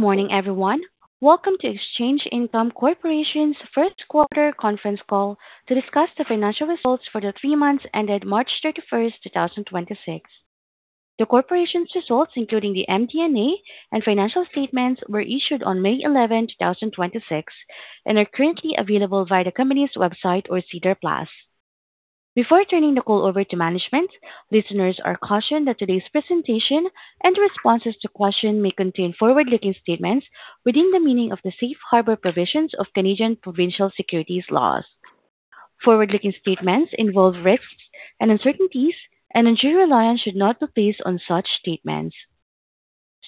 Morning, everyone. Welcome to Exchange Income Corporation's First Quarter Conference Call to discuss the financial results for the three months ended March 31st, 2026. The corporation's results, including the MD&A and financial statements, were issued on May 11th, 2026 and are currently available via the company's website or SEDAR+. Before turning the call over to management, listeners are cautioned that today's presentation and responses to questions may contain forward-looking statements within the meaning of the safe harbor provisions of Canadian provincial securities laws. Forward-looking statements involve risks and uncertainties, and undue reliance should not be placed on such statements.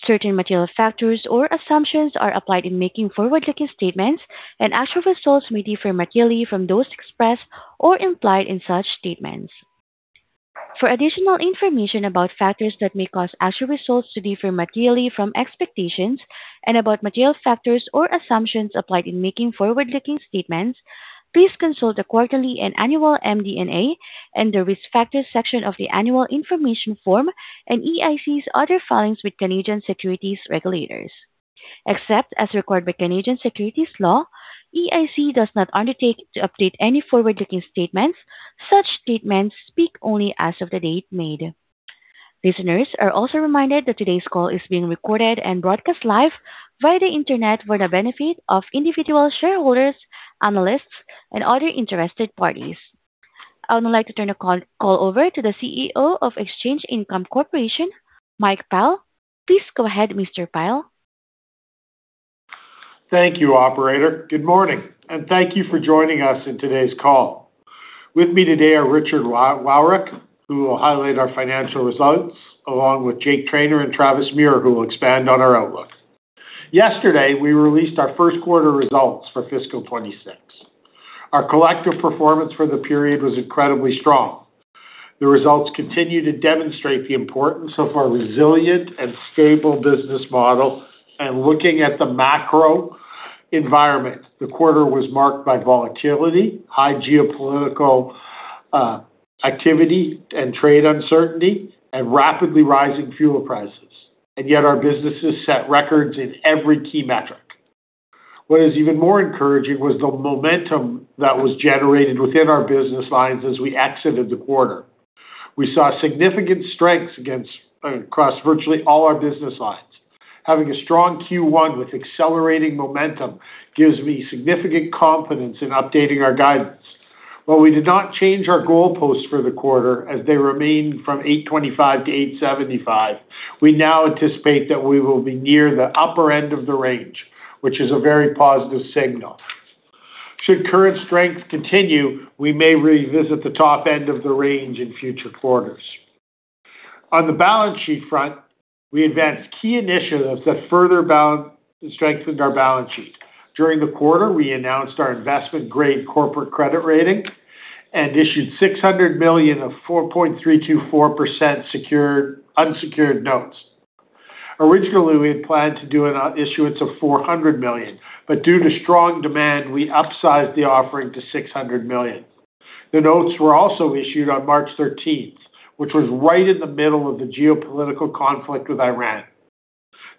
Certain material factors or assumptions are applied in making forward-looking statements, and actual results may differ materially from those expressed or implied in such statements. For additional information about factors that may cause actual results to differ materially from expectations and about material factors or assumptions applied in making forward-looking statements, please consult the quarterly and annual MD&A and the Risk Factors section of the annual information form and EIC's other filings with Canadian securities regulators. Except as required by Canadian securities law, EIC does not undertake to update any forward-looking statements. Such statements speak only as of the date made. Listeners are also reminded that today's call is being recorded and broadcast live via the internet for the benefit of individual shareholders, analysts, and other interested parties. I would now like to turn the call over to the CEO of Exchange Income Corporation, Mike Pyle. Please go ahead, Mr. Pyle. Thank you, operator. Good morning, and thank you for joining us in today's call. With me today are Richard Wowryk, who will highlight our financial results, along with Jake Trainor and Travis Muhr, who will expand on our outlook. Yesterday, we released our first quarter results for fiscal 2026. Our collective performance for the period was incredibly strong. The results continue to demonstrate the importance of our resilient and stable business model. Looking at the macro environment, the quarter was marked by volatility, high geopolitical activity and trade uncertainty, and rapidly rising fuel prices. Yet our businesses set records in every key metric. What is even more encouraging was the momentum that was generated within our business lines as we exited the quarter. We saw significant strengths across virtually all our business lines. Having a strong Q1 with accelerating momentum gives me significant confidence in updating our guidance. While we did not change our goalposts for the quarter, as they remain from 825-875, we now anticipate that we will be near the upper end of the range, which is a very positive signal. Should current strength continue, we may revisit the top end of the range in future quarters. On the balance sheet front, we advanced key initiatives that further strengthened our balance sheet. During the quarter, we announced our investment-grade corporate credit rating and issued 600 million of 4.324% unsecured notes. Originally, we had planned to do an issuance of 400 million, but due to strong demand, we upsized the offering to 600 million. The notes were also issued on March 13th, which was right in the middle of the geopolitical conflict with Iran.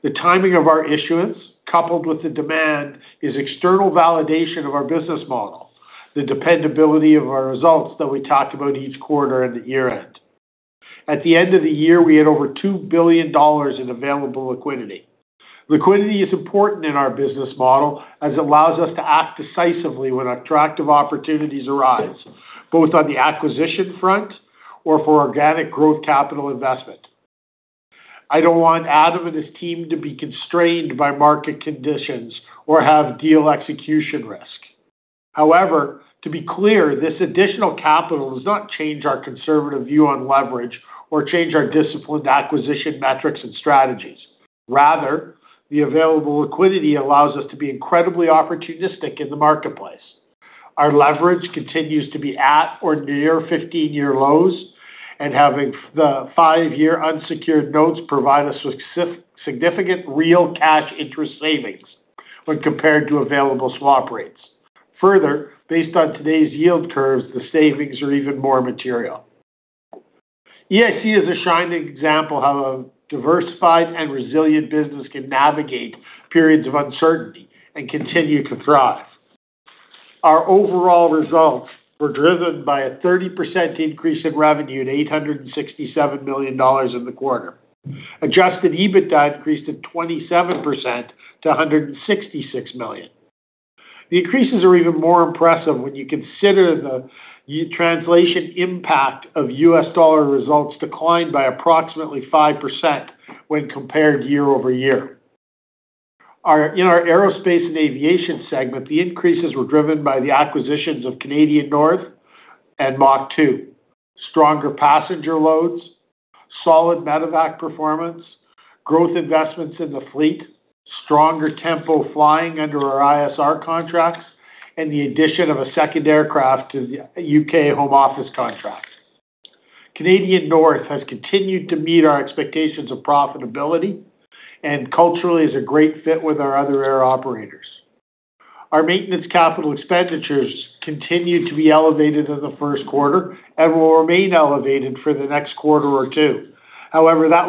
The timing of our issuance, coupled with the demand, is external validation of our business model, the dependability of our results that we talked about each quarter and at year-end. At the end of the year, we had over 2 billion dollars in available liquidity. Liquidity is important in our business model, as it allows us to act decisively when attractive opportunities arise, both on the acquisition front or for organic growth capital investment. I don't want Adam and his team to be constrained by market conditions or have deal execution risk. To be clear, this additional capital does not change our conservative view on leverage or change our disciplined acquisition metrics and strategies. The available liquidity allows us to be incredibly opportunistic in the marketplace. Our leverage continues to be at or near 15-year lows. Having the five-year unsecured notes provide us with significant real cash interest savings when compared to available swap rates. Based on today's yield curves, the savings are even more material. EIC is a shining example how a diversified and resilient business can navigate periods of uncertainty and continue to thrive. Our overall results were driven by a 30% increase in revenue at 867 million dollars in the quarter. Adjusted EBITDA increased at 27% to 166 million. The increases are even more impressive when you consider the translation impact of U.S. dollar results declined by approximately 5% when compared year-over-year. In our Aerospace & Aviation segment, the increases were driven by the acquisitions of Canadian North and MACH 2, stronger passenger loads, solid Medevac performance, growth investments in the fleet, stronger tempo flying under our ISR contracts, and the addition of a two aircraft to the U.K. Home Office contract. Canadian North has continued to meet our expectations of profitability and culturally is a great fit with our other air operators. Our maintenance CapEx continued to be elevated in the first quarter and will remain elevated for the next quarter or two. That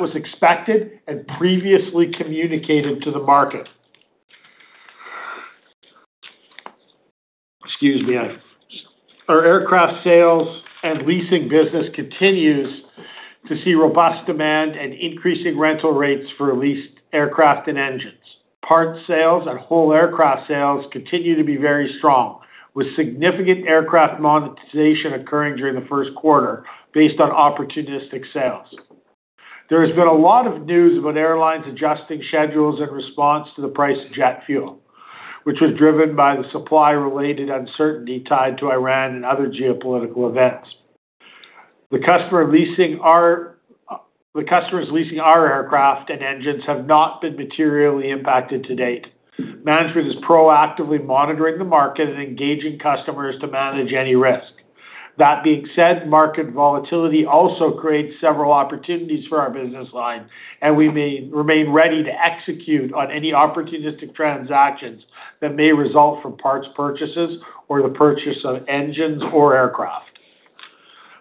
was expected and previously communicated to the market. Excuse me. Our aircraft sales and leasing business continues to see robust demand and increasing rental rates for leased aircraft and engines. Parts sales and whole aircraft sales continue to be very strong, with significant aircraft monetization occurring during the first quarter based on opportunistic sales. There has been a lot of news about airlines adjusting schedules in response to the price of jet fuel, which was driven by the supply-related uncertainty tied to Iran and other geopolitical events. The customers leasing our aircraft and engines have not been materially impacted to date. Management is proactively monitoring the market and engaging customers to manage any risk. That being said, market volatility also creates several opportunities for our business line, and we may remain ready to execute on any opportunistic transactions that may result from parts purchases or the purchase of engines or aircraft.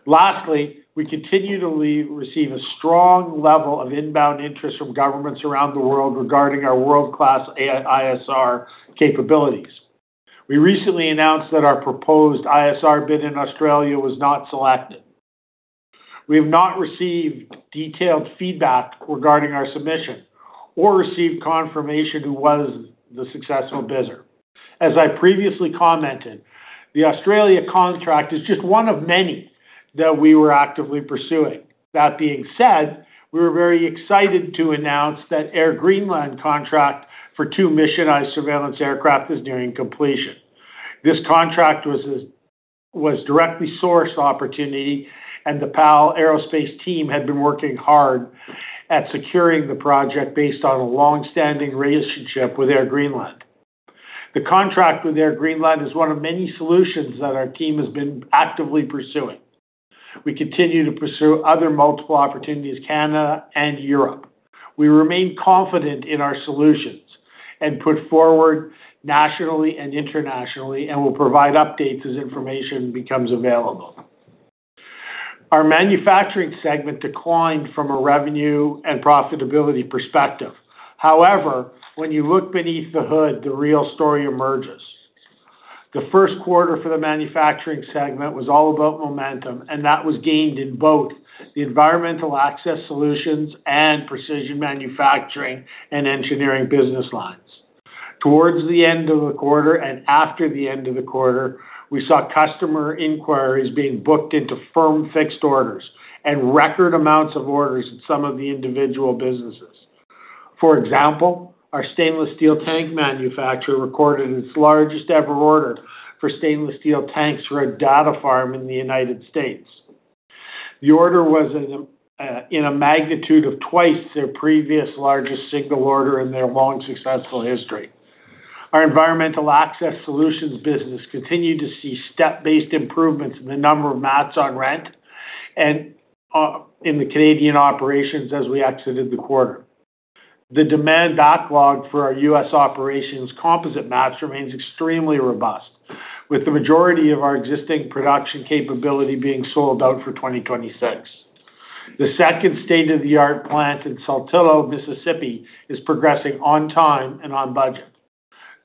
Lastly, we continue to receive a strong level of inbound interest from governments around the world regarding our world-class ISR capabilities. We recently announced that our proposed ISR bid in Australia was not selected. We have not received detailed feedback regarding our submission or received confirmation who was the successful bidder. As I previously commented, the Australia contract is just one of many that we were actively pursuing. We were very excited to announce that Air Greenland contract for two missionized surveillance aircraft is nearing completion. This contract was a directly sourced opportunity. The PAL Aerospace team had been working hard at securing the project based on a long-standing relationship with Air Greenland. The contract with Air Greenland is one of many solutions that our team has been actively pursuing. We continue to pursue other multiple opportunities, Canada and Europe. We remain confident in our solutions and put forward nationally and internationally and will provide updates as information becomes available. Our manufacturing segment declined from a revenue and profitability perspective. However, when you look beneath the hood, the real story emerges. The first quarter for the manufacturing segment was all about momentum, and that was gained in both the environmental access solutions and precision manufacturing and engineering business lines. Towards the end of the quarter and after the end of the quarter, we saw customer inquiries being booked into firm fixed orders and record amounts of orders at some of the individual businesses. For example, our stainless steel tank manufacturer recorded its largest-ever order for stainless steel tanks for a data farm in the United States. The order was in a magnitude of twice their previous largest single order in their long, successful history. Our environmental access solutions business continued to see step-based improvements in the number of mats on rent and in the Canadian operations as we exited the quarter. The demand backlog for our U.S. operations composite mats remains extremely robust, with the majority of our existing production capability being sold out for 2026. The second state-of-the-art plant in Saltillo, Mississippi is progressing on time and on budget.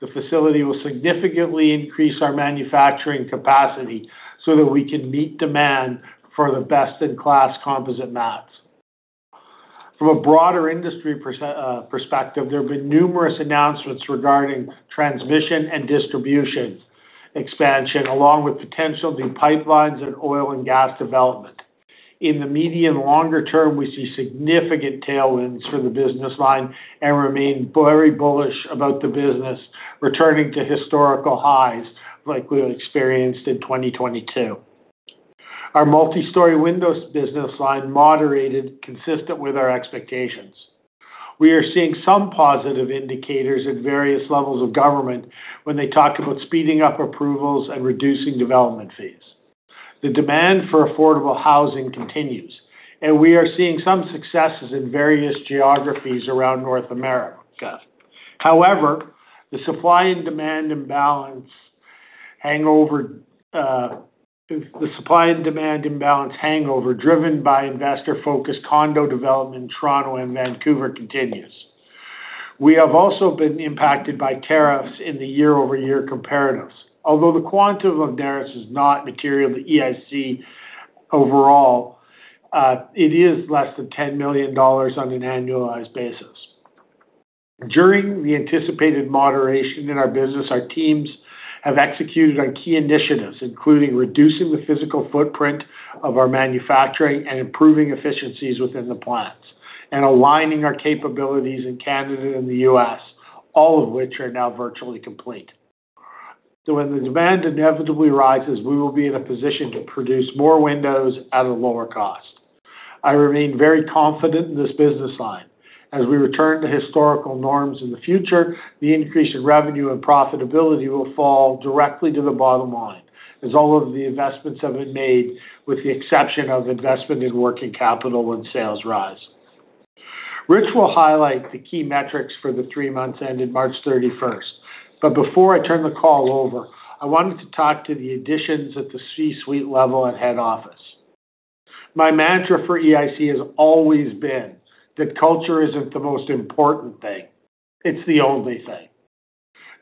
The facility will significantly increase our manufacturing capacity so that we can meet demand for the best-in-class composite mats. From a broader industry perspective, there have been numerous announcements regarding transmission and distribution expansion, along with potential new pipelines in oil and gas development. In the medium longer term, we see significant tailwinds for the business line and remain very bullish about the business returning to historical highs like we experienced in 2022. Our multi-story windows business line moderated consistent with our expectations. We are seeing some positive indicators at various levels of government when they talk about speeding up approvals and reducing development fees. The demand for affordable housing continues, and we are seeing some successes in various geographies around North America. However, the supply and demand imbalance hangover driven by investor-focused condo development in Toronto and Vancouver continues. We have also been impacted by tariffs in the year-over-year comparatives. Although the quantum of tariffs is not material to EIC overall, it is less than 10 million dollars on an annualized basis. During the anticipated moderation in our business, our teams have executed on key initiatives, including reducing the physical footprint of our manufacturing and improving efficiencies within the plants and aligning our capabilities in Canada and the U.S., all of which are now virtually complete. When the demand inevitably rises, we will be in a position to produce more windows at a lower cost. I remain very confident in this business line. As we return to historical norms in the future, the increase in revenue and profitability will fall directly to the bottom line, as all of the investments have been made with the exception of investment in working capital when sales rise. Rich will highlight the key metrics for the three months ended March 31st. Before I turn the call over, I wanted to talk to the additions at the C-suite level at head office. My mantra for EIC has always been that culture isn't the most important thing, it's the only thing.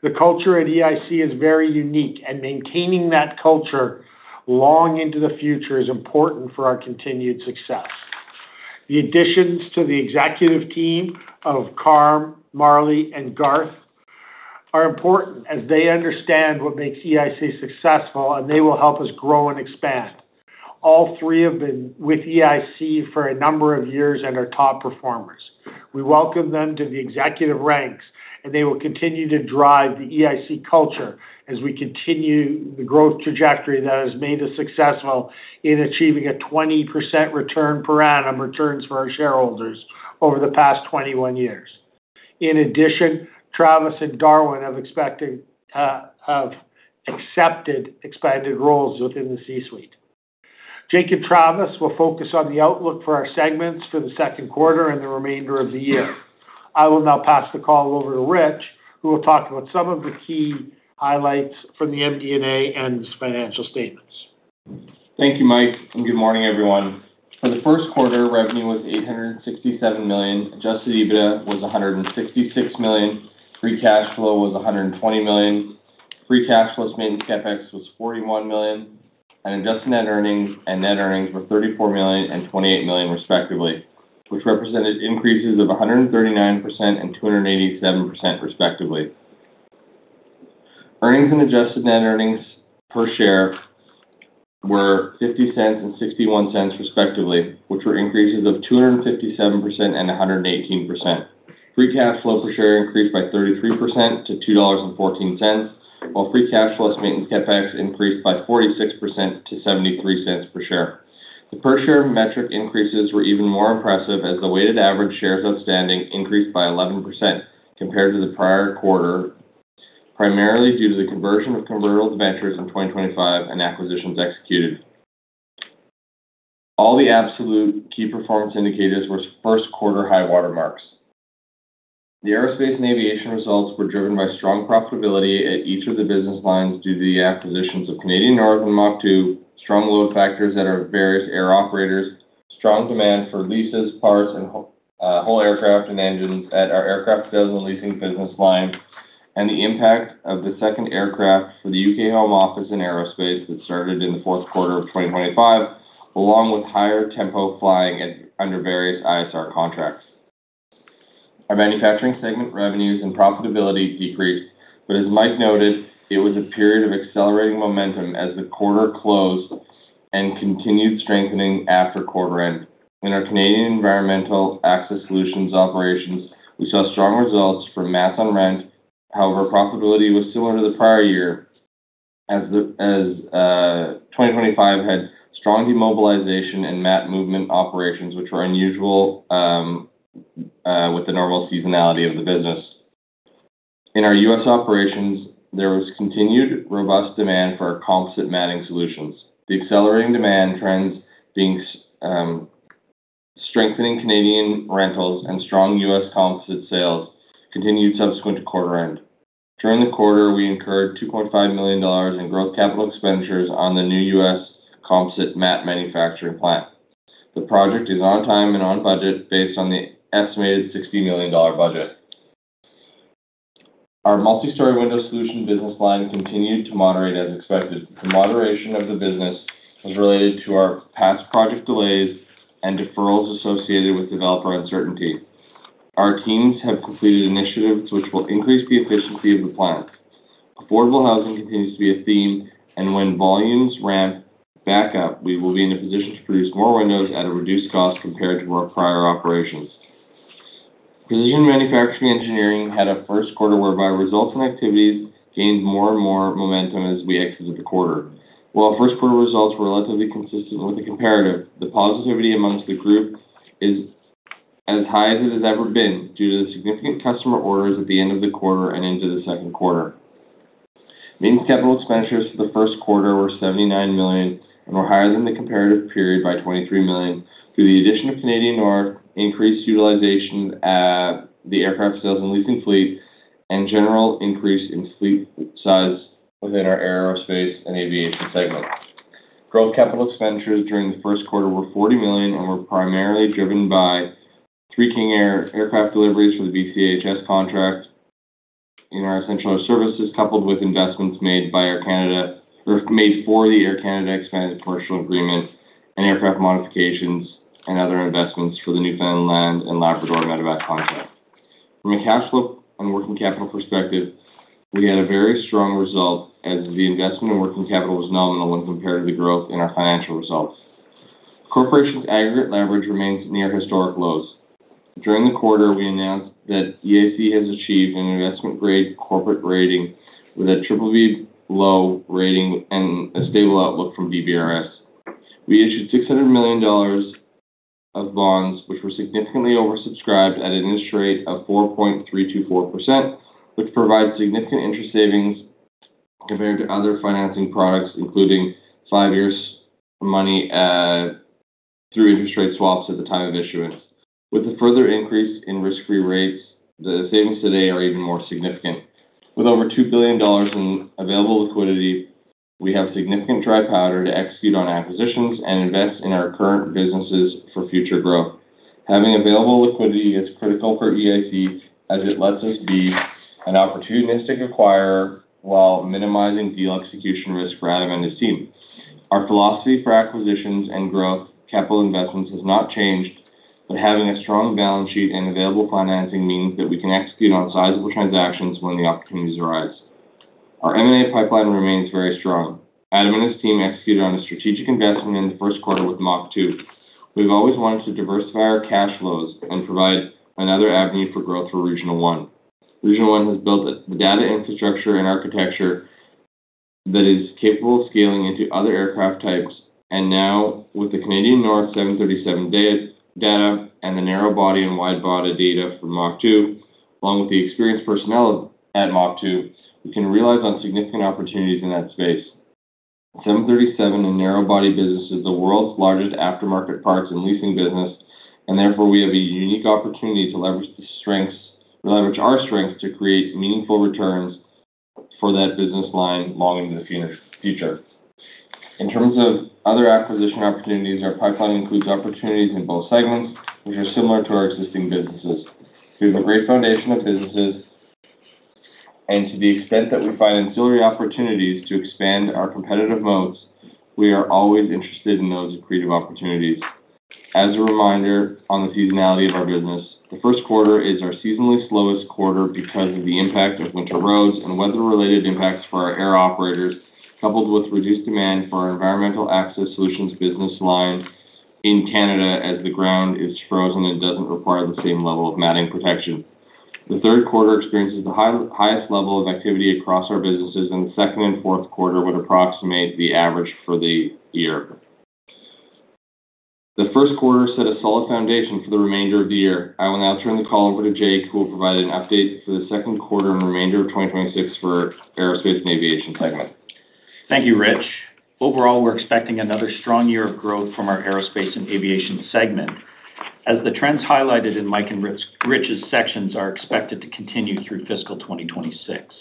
The culture at EIC is very unique, and maintaining that culture long into the future is important for our continued success. The additions to the executive team of Carm, Marley, and Garth are important as they understand what makes EIC successful and they will help us grow and expand. All three have been with EIC for a number of years and are top performers. We welcome them to the executive ranks, and they will continue to drive the EIC culture as we continue the growth trajectory that has made us successful in achieving a 20% return per annum returns for our shareholders over the past 21 years. In addition, Travis and Darwin have accepted expanded roles within the C-suite. Jake and Travis will focus on the outlook for our segments for the second quarter and the remainder of the year. I will now pass the call over to Rich, who will talk about some of the key highlights from the MD&A and its financial statements. Thank you, Mike, and good morning, everyone. For the first quarter, revenue was 867 million. Adjusted EBITDA was 166 million. Free cash flow was 120 million. Free cash plus maintenance CapEx was 41 million, and adjusted net earnings and net earnings were 34 million and 28 million respectively, which represented increases of 139% and 287% respectively. Earnings and adjusted net earnings per share were 0.50 and 0.61 respectively, which were increases of 257% and 118%. Free cash flow per share increased by 33% to 2.14 dollars, while free cash plus maintenance CapEx increased by 46% to 0.73 per share. The per share metric increases were even more impressive as the weighted average shares outstanding increased by 11% compared to the prior quarter, primarily due to the conversion of convertible debentures in 2025 and acquisitions executed. All the absolute key performance indicators were first quarter high water marks. The Aerospace & Aviation results were driven by strong profitability at each of the business lines due to the acquisitions of Canadian North and MACH 2, strong load factors at our various air operators, strong demand for leases, parts, and whole aircraft and engines at our aircraft sales and leasing business line. The impact of the second aircraft for the U.K. Home Office and PAL Aerospace that started in the fourth quarter of 2025, along with higher tempo flying under various ISR contracts. Our Manufacturing segment revenues and profitability decreased. As Mike noted, it was a period of accelerating momentum as the quarter closed and continued strengthening after quarter end. In our Canadian environmental access solutions operations, we saw strong results for mats on rent. However, profitability was similar to the prior year as 2025 had strong demobilization in mat movement operations, which were unusual with the normal seasonality of the business. In our U.S. operations, there was continued robust demand for our composite matting solutions. The accelerating demand trends, strengthening Canadian rentals and strong U.S. composite sales continued subsequent to quarter end. During the quarter, we incurred 2.5 million dollars in growth capital expenditures on the new U.S. composite mat manufacturing plant. The project is on time and on budget based on the estimated 60 million dollar budget. Our multi-story window solution business line continued to moderate as expected. The moderation of the business is related to our past project delays and deferrals associated with developer uncertainty. Our teams have completed initiatives which will increase the efficiency of the plant. Affordable housing continues to be a theme, and when volumes ramp back up, we will be in a position to produce more windows at a reduced cost compared to our prior operations. Precision manufacturing engineering had a first quarter whereby results and activities gained more and more momentum as we exited the quarter. While first quarter results were relatively consistent with the comparative, the positivity amongst the group is as high as it has ever been due to the significant customer orders at the end of the quarter and into the second quarter. Maintenance capital expenditures for the first quarter were CAD 79 million and were higher than the comparative period by CAD 23 million through the addition of Canadian North, increased utilization at the aircraft sales and leasing fleet, and general increase in fleet size within our Aerospace & Aviation segment. Growth capital expenditures during the first quarter were 40 million and were primarily driven by three King Air aircraft deliveries for the BCEHS contract in our essential air services, coupled with investments made by Air Canada or made for the Air Canada Expanded Commercial Agreement and aircraft modifications and other investments for the Newfoundland and Labrador Medevac contract. From a cash flow and working capital perspective, we had a very strong result as the investment in working capital was nominal when compared to the growth in our financial results. Corporation's aggregate leverage remains near historic lows. During the quarter, we announced that EIC has achieved an investment-grade corporate rating with a BBB low rating and a stable outlook from DBRS. We issued 600 million dollars of bonds, which were significantly oversubscribed at 4.324%, which provides significant interest savings compared to other financing products, including five years money at through interest rate swaps at the time of issuance. With the further increase in risk-free rates, the savings today are even more significant. With over 2 billion dollars in available liquidity, we have significant dry powder to execute on acquisitions and invest in our current businesses for future growth. Having available liquidity is critical for EIC as it lets us be an opportunistic acquirer while minimizing deal execution risk for Adam and his team. Our philosophy for acquisitions and growth capital investments has not changed. Having a strong balance sheet and available financing means that we can execute on sizable transactions when the opportunities arise. Our M&A pipeline remains very strong. Adam and his team executed on a strategic investment in the first quarter with MACH 2. We've always wanted to diversify our cash flows and provide another avenue for growth for Regional One. Regional One has built the data infrastructure and architecture that is capable of scaling into other aircraft types. Now with the Canadian North 737 data and the narrow body and wide body data from MACH 2, along with the experienced personnel at MACH 2, we can realize on significant opportunities in that space. 737 and narrow body business is the world's largest aftermarket parts and leasing business, and therefore, we have a unique opportunity to leverage our strengths to create meaningful returns for that business line long into the future. In terms of other acquisition opportunities, our pipeline includes opportunities in both segments which are similar to our existing businesses. We have a great foundation of businesses, and to the extent that we find ancillary opportunities to expand our competitive moats, we are always interested in those accretive opportunities. As a reminder on the seasonality of our business, the first quarter is our seasonally slowest quarter because of the impact of winter roads and weather-related impacts for our air operators, coupled with reduced demand for our environmental access solutions business line in Canada, as the ground is frozen and doesn't require the same level of matting protection. The third quarter experiences the highest level of activity across our businesses, and the second and fourth quarter would approximate the average for the year. The first quarter set a solid foundation for the remainder of the year. I will now turn the call over to Jake, who will provide an update for the second quarter and remainder of 2026 for the Aerospace & Aviation segment. Thank you, Rich. Overall, we're expecting another strong year of growth from our Aerospace & Aviation segment, as the trends highlighted in Mike and Rich's sections are expected to continue through fiscal 2026.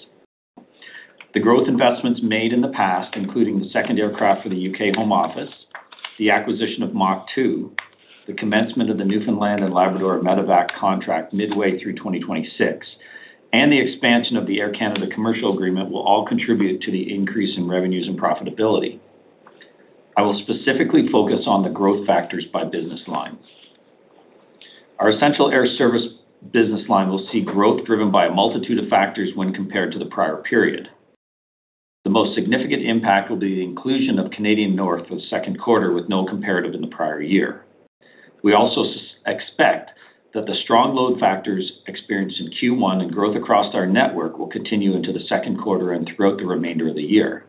The growth investments made in the past, including the second aircraft for the U.K. Home Office, the acquisition of MACH 2, the commencement of the Newfoundland and Labrador Medevac contract midway through 2026, and the expansion of the Air Canada commercial agreement will all contribute to the increase in revenues and profitability. I will specifically focus on the growth factors by business line. Our essential air service business line will see growth driven by a multitude of factors when compared to the prior period. The most significant impact will be the inclusion of Canadian North for the second quarter with no comparative in the prior year. We expect that the strong load factors experienced in Q1 and growth across our network will continue into the second quarter and throughout the remainder of the year.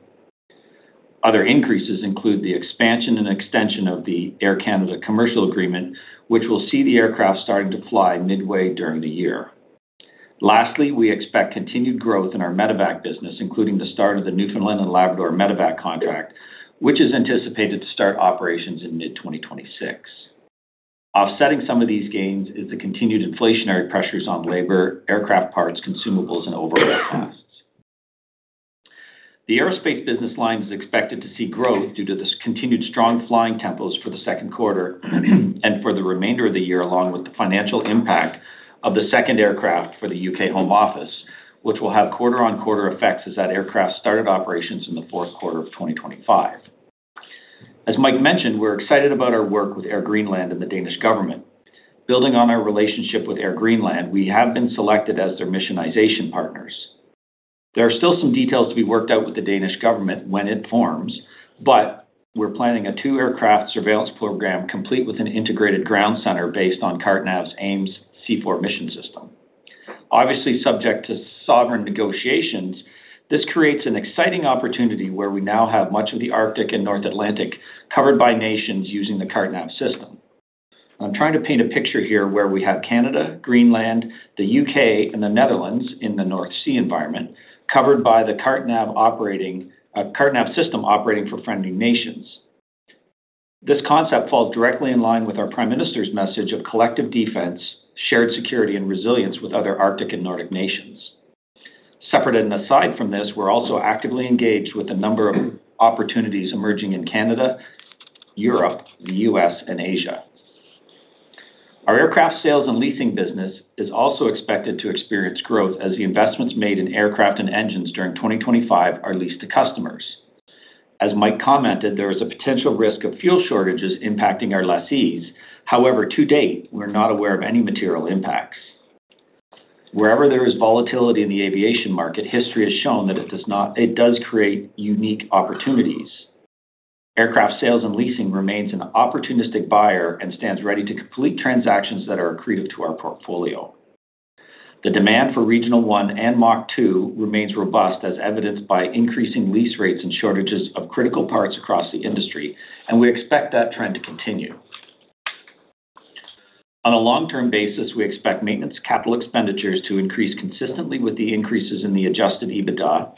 Other increases include the expansion and extension of the Air Canada commercial agreement, which will see the aircraft starting to fly midway during the year. Lastly, we expect continued growth in our Medevac business, including the start of the Newfoundland and Labrador Medevac contract, which is anticipated to start operations in mid-2026. Offsetting some of these gains is the continued inflationary pressures on labor, aircraft parts, consumables, and overhead costs. The aerospace business line is expected to see growth due to this continued strong flying tempos for the second quarter and for the remainder of the year, along with the financial impact of the second aircraft for the U.K. Home Office, which will have quarter-on-quarter effects as that aircraft started operations in the fourth quarter of 2025. As Mike mentioned, we're excited about our work with Air Greenland and the Danish government. Building on our relationship with Air Greenland, we have been selected as their missionization partners. There are still some details to be worked out with the Danish government when it forms, we're planning a two-aircraft surveillance program complete with an integrated ground center based on CarteNav's AIMS-C4 mission system. Obviously, subject to sovereign negotiations, this creates an exciting opportunity where we now have much of the Arctic and North Atlantic covered by nations using the CarteNav system. I'm trying to paint a picture here where we have Canada, Greenland, the U.K., and the Netherlands in the North Sea environment covered by the CarteNav system operating for friendly nations. This concept falls directly in line with our Prime Minister's message of collective defense, shared security, and resilience with other Arctic and Nordic nations. Separate and aside from this, we're also actively engaged with a number of opportunities emerging in Canada, Europe, the U.S., and Asia. Our aircraft sales and leasing business is also expected to experience growth as the investments made in aircraft and engines during 2025 are leased to customers. As Mike commented, there is a potential risk of fuel shortages impacting our lessees. However, to date, we're not aware of any material impacts. Wherever there is volatility in the aviation market, history has shown that it does create unique opportunities. Aircraft sales and leasing remains an opportunistic buyer and stands ready to complete transactions that are accretive to our portfolio. The demand for Regional One and MACH 2 remains robust, as evidenced by increasing lease rates and shortages of critical parts across the industry, and we expect that trend to continue. On a long-term basis, we expect maintenance capital expenditures to increase consistently with the increases in the adjusted EBITDA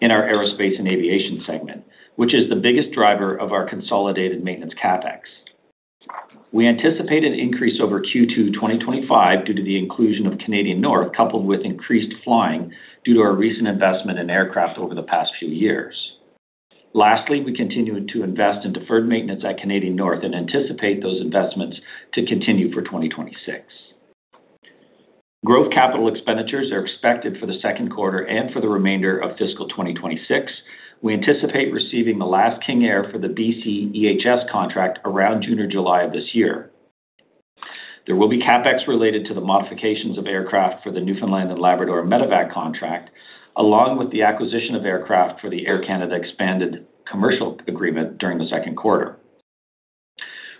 in our Aerospace & Aviation segment, which is the biggest driver of our consolidated maintenance CapEx. We anticipate an increase over Q2 2025 due to the inclusion of Canadian North, coupled with increased flying due to our recent investment in aircraft over the past few years. Lastly, we continue to invest in deferred maintenance at Canadian North and anticipate those investments to continue for 2026. Growth capital expenditures are expected for the second quarter and for the remainder of fiscal 2026. We anticipate receiving the last King Air for the BC EHS contract around June or July of this year. There will be CapEx related to the modifications of aircraft for the Newfoundland and Labrador Medevac contract, along with the acquisition of aircraft for the Air Canada expanded commercial agreement during the second quarter.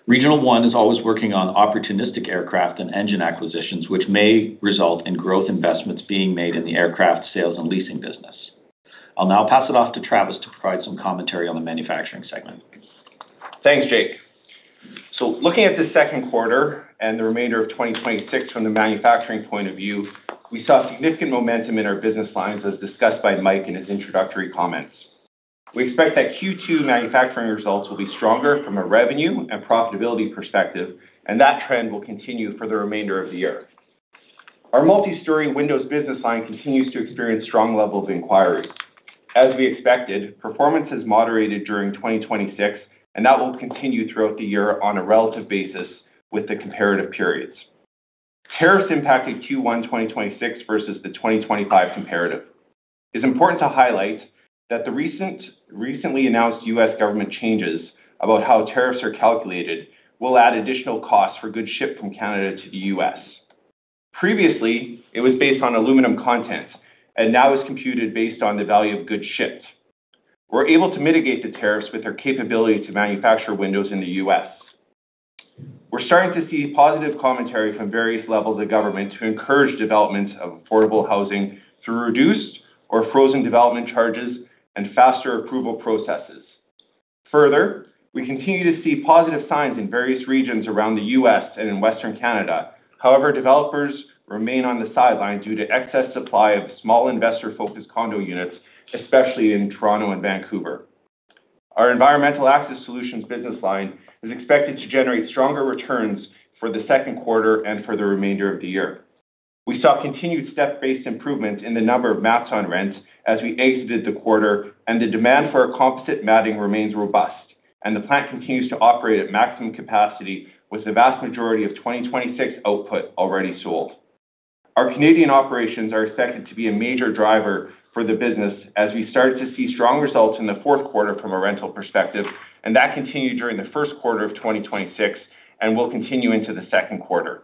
Regional One is always working on opportunistic aircraft and engine acquisitions, which may result in growth investments being made in the aircraft sales and leasing business. I'll now pass it off to Travis to provide some commentary on the manufacturing segment. Thanks, Jake. Looking at the second quarter and the remainder of 2026 from the manufacturing point of view, we saw significant momentum in our business lines, as discussed by Mike in his introductory comments. We expect that Q2 manufacturing results will be stronger from a revenue and profitability perspective, and that trend will continue for the remainder of the year. Our multi-story windows business line continues to experience strong levels of inquiries. As we expected, performance has moderated during 2026, and that will continue throughout the year on a relative basis with the comparative periods. Tariffs impacted Q1 2026 versus the 2025 comparative. It's important to highlight that the recently announced U.S. government changes about how tariffs are calculated will add additional costs for goods shipped from Canada to the U.S. Previously, it was based on aluminum content and now is computed based on the value of goods shipped. We're able to mitigate the tariffs with our capability to manufacture windows in the U.S. We're starting to see positive commentary from various levels of government to encourage development of affordable housing through reduced or frozen development charges and faster approval processes. Further, we continue to see positive signs in various regions around the U.S. and in Western Canada. However, developers remain on the sidelines due to excess supply of small investor-focused condo units, especially in Toronto and Vancouver. Our Environmental Access Solutions business line is expected to generate stronger returns for the second quarter and for the remainder of the year. We saw continued step-based improvement in the number of mats on rents as we exited the quarter, and the demand for our composite matting remains robust, and the plant continues to operate at maximum capacity, with the vast majority of 2026 output already sold. Our Canadian operations are expected to be a major driver for the business as we started to see strong results in the fourth quarter from a rental perspective, and that continued during the first quarter of 2026 and will continue into the second quarter.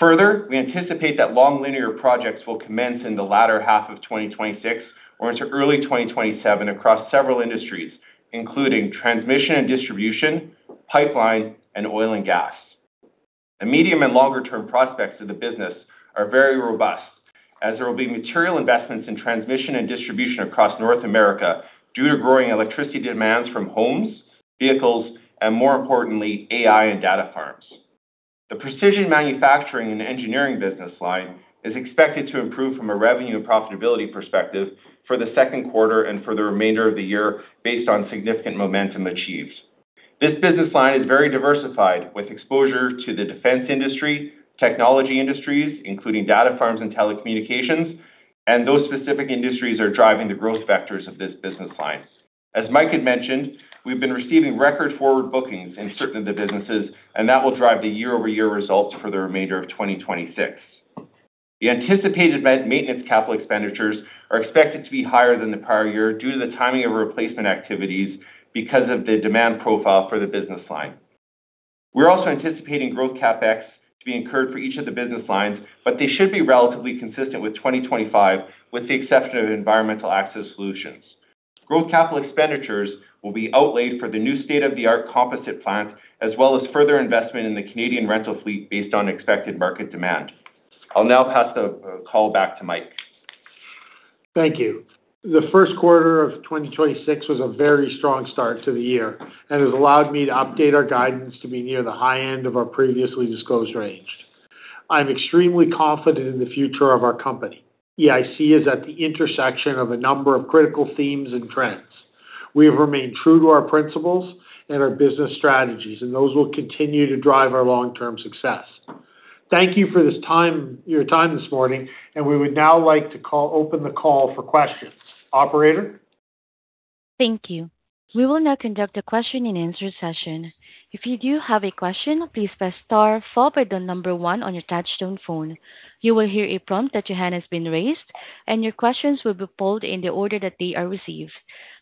Further, we anticipate that long linear projects will commence in the latter half of 2026 or into early 2027 across several industries, including transmission and distribution, pipeline, and oil and gas. The medium and longer-term prospects of the business are very robust, as there will be material investments in transmission and distribution across North America due to growing electricity demands from homes, vehicles, and more importantly, AI and data farms. The precision manufacturing and engineering business line is expected to improve from a revenue and profitability perspective for the second quarter and for the remainder of the year based on significant momentum achieved. This business line is very diversified with exposure to the defense industry, technology industries, including data farms and telecommunications. Those specific industries are driving the growth vectors of this business line. As Mike had mentioned, we've been receiving record forward bookings in certain of the businesses. That will drive the year-over-year results for the remainder of 2026. The anticipated maintenance capital expenditures are expected to be higher than the prior year due to the timing of replacement activities because of the demand profile for the business line. We're also anticipating growth CapEx to be incurred for each of the business lines, but they should be relatively consistent with 2025, with the exception of Environmental Access Solutions. Growth capital expenditures will be outlaid for the new state-of-the-art composite plant, as well as further investment in the Canadian rental fleet based on expected market demand. I'll now pass the call back to Mike. Thank you. The first quarter of 2026 was a very strong start to the year and has allowed me to update our guidance to be near the high end of our previously disclosed range. I'm extremely confident in the future of our company. EIC is at the intersection of a number of critical themes and trends. We have remained true to our principles and our business strategies, and those will continue to drive our long-term success. Thank you for this time, your time this morning, and we would now like to call open the call for questions. Operator? Thank you. We will now conduct a question and answer session. If you do have a question, please press star followed by one on your touch-tone phone. You will hear a prompt that your hand has been raised, and your questions will be pulled in the order that they are received.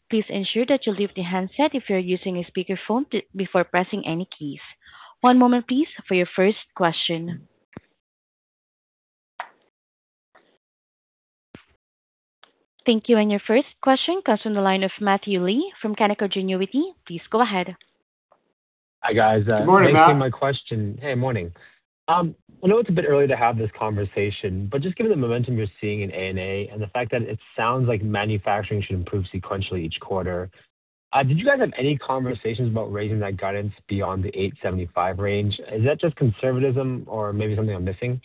Please ensure that you leave the handset if you're using a speakerphone before pressing any keys. One moment please for your first question. Thank you. Your first question comes from the line of Matthew Lee from Canaccord Genuity. Please go ahead. Hi, guys. Good morning, Matt. Thank you for taking my question. Hey, morning. I know it's a bit early to have this conversation, but just given the momentum you're seeing in A&A and the fact that it sounds like manufacturing should improve sequentially each quarter. Did you guys have any conversations about raising that guidance beyond the 875 range? Is that just conservatism or maybe something I'm missing?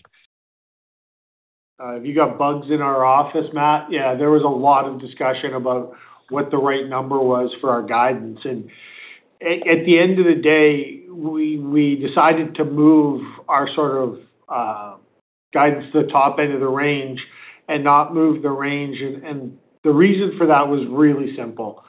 If you got bugs in our office, Matt. Yeah, there was a lot of discussion about what the right number was for our guidance. At the end of the day, we decided to move our sort of guidance to the top end of the range and not move the range. The reason for that was really simple.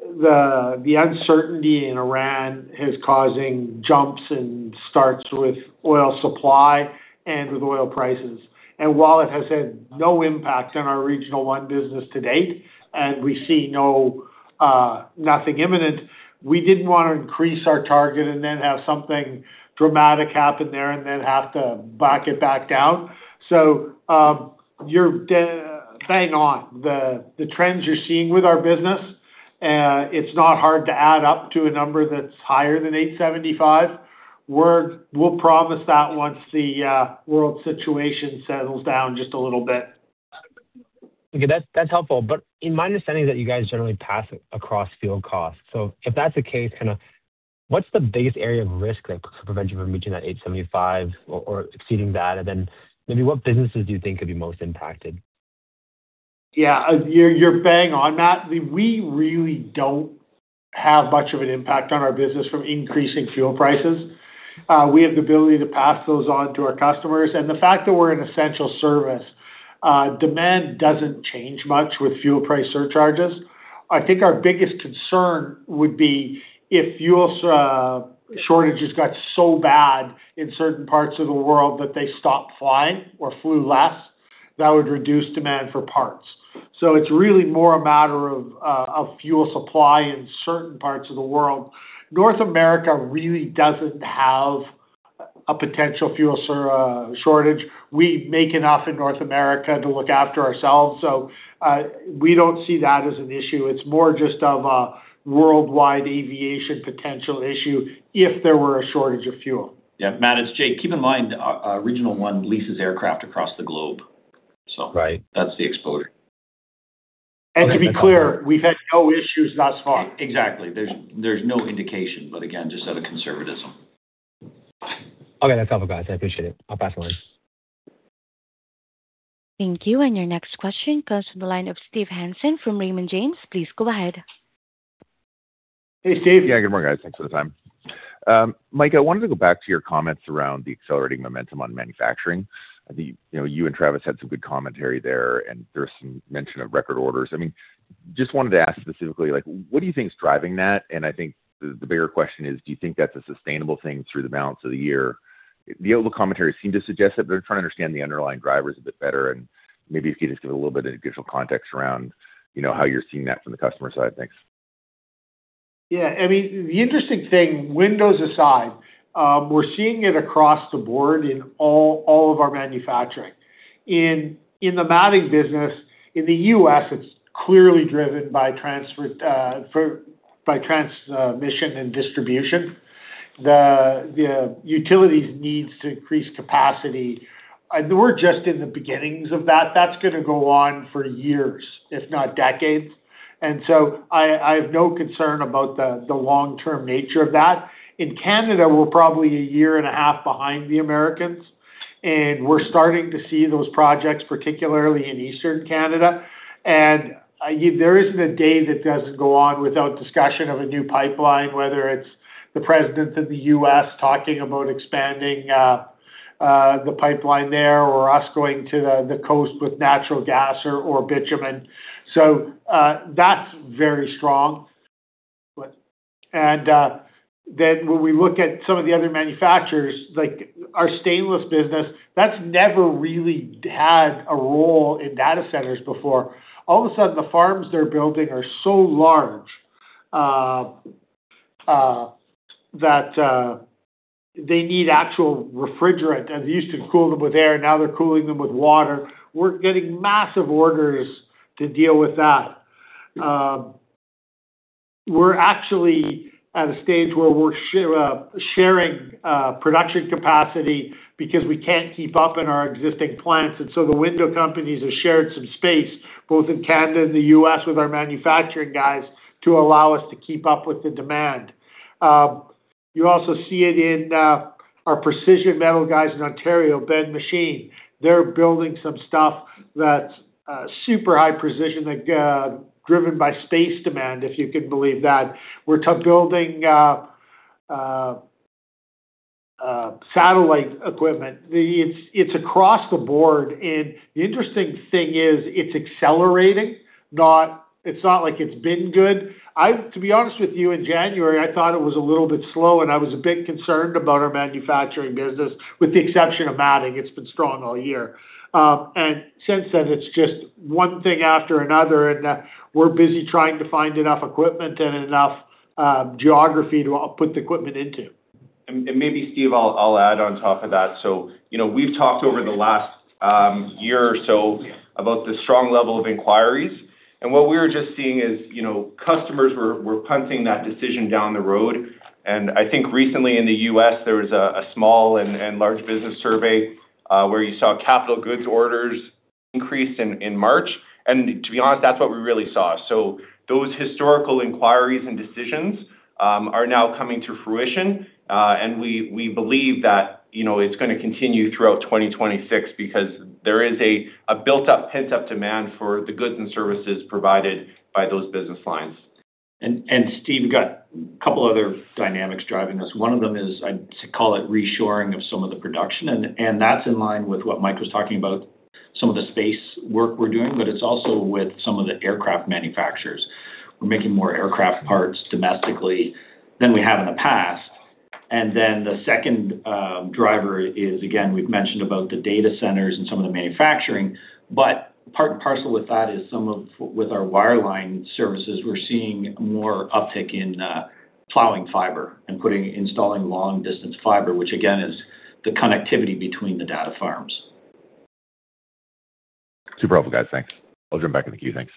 The uncertainty in Iran is causing jumps and starts with oil supply and with oil prices. While it has had no impact on our Regional One business to date, and we see no nothing imminent, we didn't wanna increase our target and then have something dramatic happen there and then have to back it back down. You're bang on. The trends you're seeing with our business, it's not hard to add up to a number that's higher than 875. We'll promise that once the world situation settles down just a little bit. Okay. That's, that's helpful. In my understanding that you guys generally pass across field costs. If that's the case, kinda what's the biggest area of risk that could prevent you from reaching that 875 or exceeding that? Then maybe what businesses do you think could be most impacted? Yeah. You're bang on, Matt. We really don't have much of an impact on our business from increasing fuel prices. We have the ability to pass those on to our customers. The fact that we're an essential service, demand doesn't change much with fuel price surcharges. I think our biggest concern would be if fuel shortages got so bad in certain parts of the world that they stopped flying or flew less, that would reduce demand for parts. It's really more a matter of fuel supply in certain parts of the world. North America really doesn't have a potential fuel shortage. We make enough in North America to look after ourselves. We don't see that as an issue. It's more just of a worldwide aviation potential issue if there were a shortage of fuel. Yeah. Matthew, it's Jake. Keep in mind, Regional One leases aircraft across the globe. Right that's the exposure. To be clear, we've had no issues thus far. Exactly. There's no indication, but again, just out of conservatism. Okay. That's helpful, guys. I appreciate it. I'll pass the line. Thank you. Your next question goes to the line of Steve Hansen from Raymond James. Please go ahead. Hey, Steve. Good morning, guys. Thanks for the time. Mike, I wanted to go back to your comments around the accelerating momentum on manufacturing. You know, you and Travis had some good commentary there, and there's some mention of record orders. I mean, just wanted to ask specifically, like, what do you think is driving that? I think the bigger question is: Do you think that's a sustainable thing through the balance of the year? The overall commentary seemed to suggest that they're trying to understand the underlying drivers a bit better, and maybe if you could just give a little bit of additional context around, you know, how you're seeing that from the customer side. Thanks. Yeah. I mean, the interesting thing, windows aside, we're seeing it across the board in all of our manufacturing. In the matting business, in the U.S., it's clearly driven by transmission and distribution. The utilities needs to increase capacity. We're just in the beginnings of that. That's gonna go on for years, if not decades. I have no concern about the long-term nature of that. In Canada, we're probably a year and a half behind the Americans, we're starting to see those projects, particularly in Eastern Canada. There isn't a day that doesn't go on without discussion of a new pipeline, whether it's the President of the U.S. talking about expanding the pipeline there or us going to the coast with natural gas or bitumen. That's very strong. When we look at some of the other manufacturers, like our stainless business, that's never really had a role in data centers before. All of a sudden, the farms they're building are so large that they need actual refrigerant. They used to cool them with air, now they're cooling them with water. We're getting massive orders to deal with that. We're actually at a stage where we're sharing production capacity because we can't keep up in our existing plants. The window companies have shared some space, both in Canada and the U.S. with our manufacturing guys to allow us to keep up with the demand. You also see it in our precision metal guys in Ontario, Ben Machine. They're building some stuff that's super high precision that, driven by space demand, if you can believe that. We're building satellite equipment. It's across the board. The interesting thing is it's accelerating, not, it's not like it's been good. To be honest with you, in January, I thought it was a little bit slow, and I was a bit concerned about our manufacturing business, with the exception of matting. It's been strong all year. Since then, it's just one thing after another, and we're busy trying to find enough equipment and enough geography to put the equipment into. Maybe, Steve, I'll add on top of that. You know, we've talked over the last year or so about the strong level of inquiries. What we were just seeing is, you know, customers were punting that decision down the road. I think recently in the U.S., there was a small and large business survey where you saw capital goods orders Increase in March. To be honest, that's what we really saw. Those historical inquiries and decisions are now coming to fruition. We believe that, you know, it's gonna continue throughout 2026 because there is a built up pent-up demand for the goods and services provided by those business lines. Steve, got couple other dynamics driving this. One of them is I'd call it reshoring of some of the production, and that's in line with what Mike was talking about, some of the space work we're doing. It's also with some of the aircraft manufacturers. We're making more aircraft parts domestically than we have in the past. The second driver is again, we've mentioned about the data centers and some of the manufacturing, but part and parcel with that is some of with our wireline services, we're seeing more uptick in plowing fiber and installing long distance fiber, which again, is the connectivity between the data farms. Super helpful, guys. Thanks. I'll jump back in the queue. Thanks.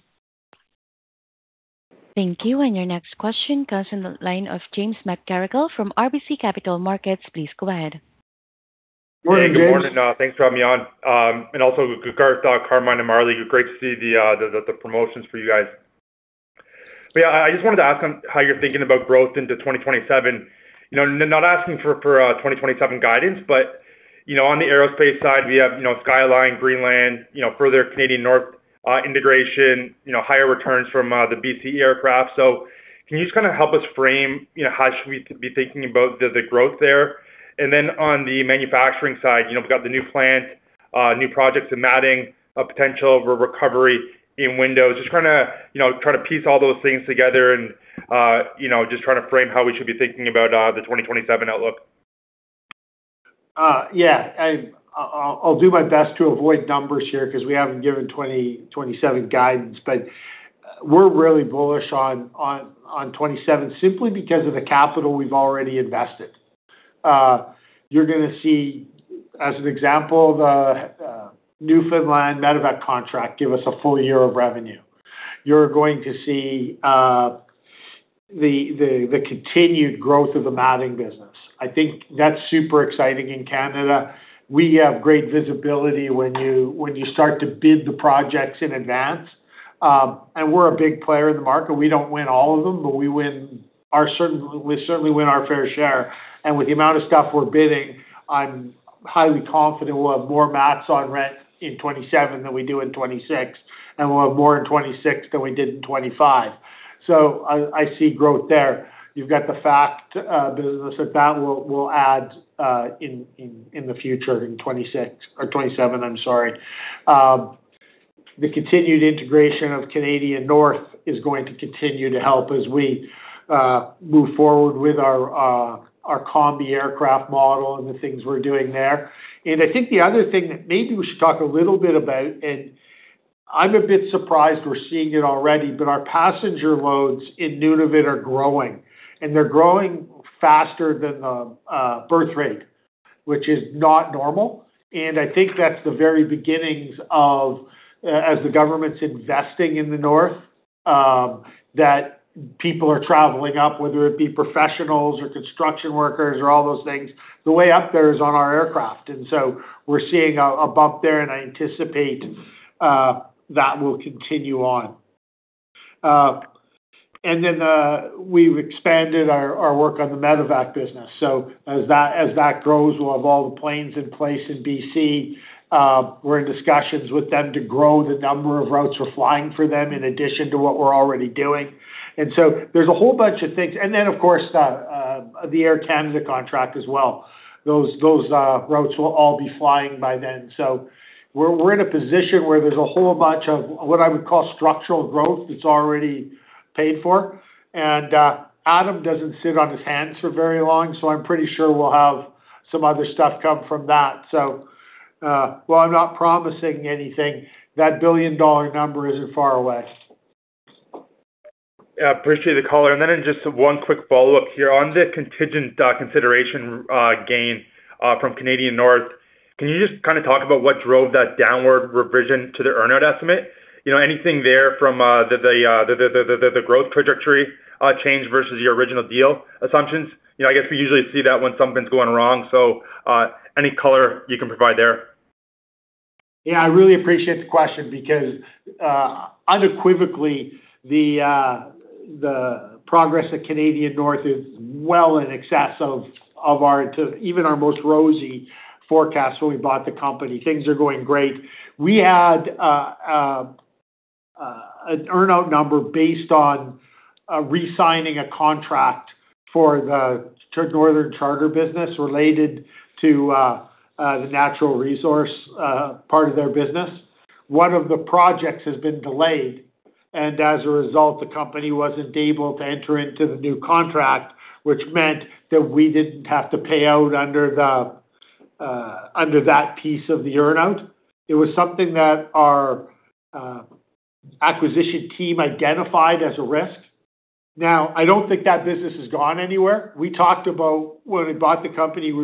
Thank you. Your next question comes on the line of James McGarragle from RBC Capital Markets. Please go ahead. Morning, James. Good morning. Thanks for having me on. Garth, Carmine and Marley, great to see the promotions for you guys. Yeah, I just wanted to ask on how you're thinking about growth into 2027. You know, not asking for 2027 guidance, you know, on the aerospace side, we have, you know, Skyline, Greenland, you know, further Canadian North integration, you know, higher returns from the BC aircraft. Can you just kinda help us frame, you know, how should we be thinking about the growth there? On the manufacturing side, you know, we've got the new plant, new projects in matting, a potential re-recovery in Windows. Just trying to, you know, try to piece all those things together and, you know, just trying to frame how we should be thinking about the 2027 outlook. Yeah. I'll do my best to avoid numbers here 'cause we haven't given 2027 guidance. We're really bullish on 2027 simply because of the capital we've already invested. You're gonna see, as an example, the Newfoundland Medevac contract give us a full year of revenue. You're going to see the continued growth of the matting business. I think that's super exciting in Canada. We have great visibility when you, when you start to bid the projects in advance. We're a big player in the market. We don't win all of them, but we certainly win our fair share. With the amount of stuff we're bidding, I'm highly confident we'll have more mats on rent in 2027 than we do in 2026, and we'll have more in 2026 than we did in 2025. I see growth there. You've got the fact business that will add in the future in 2026, or 2027, I'm sorry. The continued integration of Canadian North is going to continue to help as we move forward with our Combi aircraft model and the things we're doing there. I think the other thing that maybe we should talk a little bit about, and I'm a bit surprised we're seeing it already, but our passenger loads in Nunavut are growing, and they're growing faster than the birth rate, which is not normal. I think that's the very beginnings of, as the government's investing in the North, that people are traveling up, whether it be professionals or construction workers or all those things, the way up there is on our aircraft. We're seeing a bump there, and I anticipate that will continue on. Then we've expanded our work on the Medevac business. As that grows, we'll have all the planes in place in BC. We're in discussions with them to grow the number of routes we're flying for them in addition to what we're already doing. There's a whole bunch of things. Then, of course, the Air Canada contract as well. Those routes will all be flying by then. We're in a position where there's a whole bunch of what I would call structural growth that's already paid for. Adam doesn't sit on his hands for very long, so I'm pretty sure we'll have some other stuff come from that. While I'm not promising anything, that billion-dollar number isn't far away. Yeah, appreciate the color. Just one quick follow-up here. On the contingent consideration gain from Canadian North, can you just kinda talk about what drove that downward revision to the earnout estimate? You know, anything there from the growth trajectory change versus your original deal assumptions? You know, I guess we usually see that when something's going wrong. Any color you can provide there. Yeah, I really appreciate the question because unequivocally, the progress at Canadian North is well in excess of even our most rosy forecast when we bought the company. Things are going great. We had an earnout number based on resigning a contract for the Northern Charter business related to the natural resource part of their business. One of the projects has been delayed, as a result, the company wasn't able to enter into the new contract, which meant that we didn't have to pay out under the under that piece of the earnout. It was something that our acquisition team identified as a risk. I don't think that business has gone anywhere. We talked about when we bought the company. We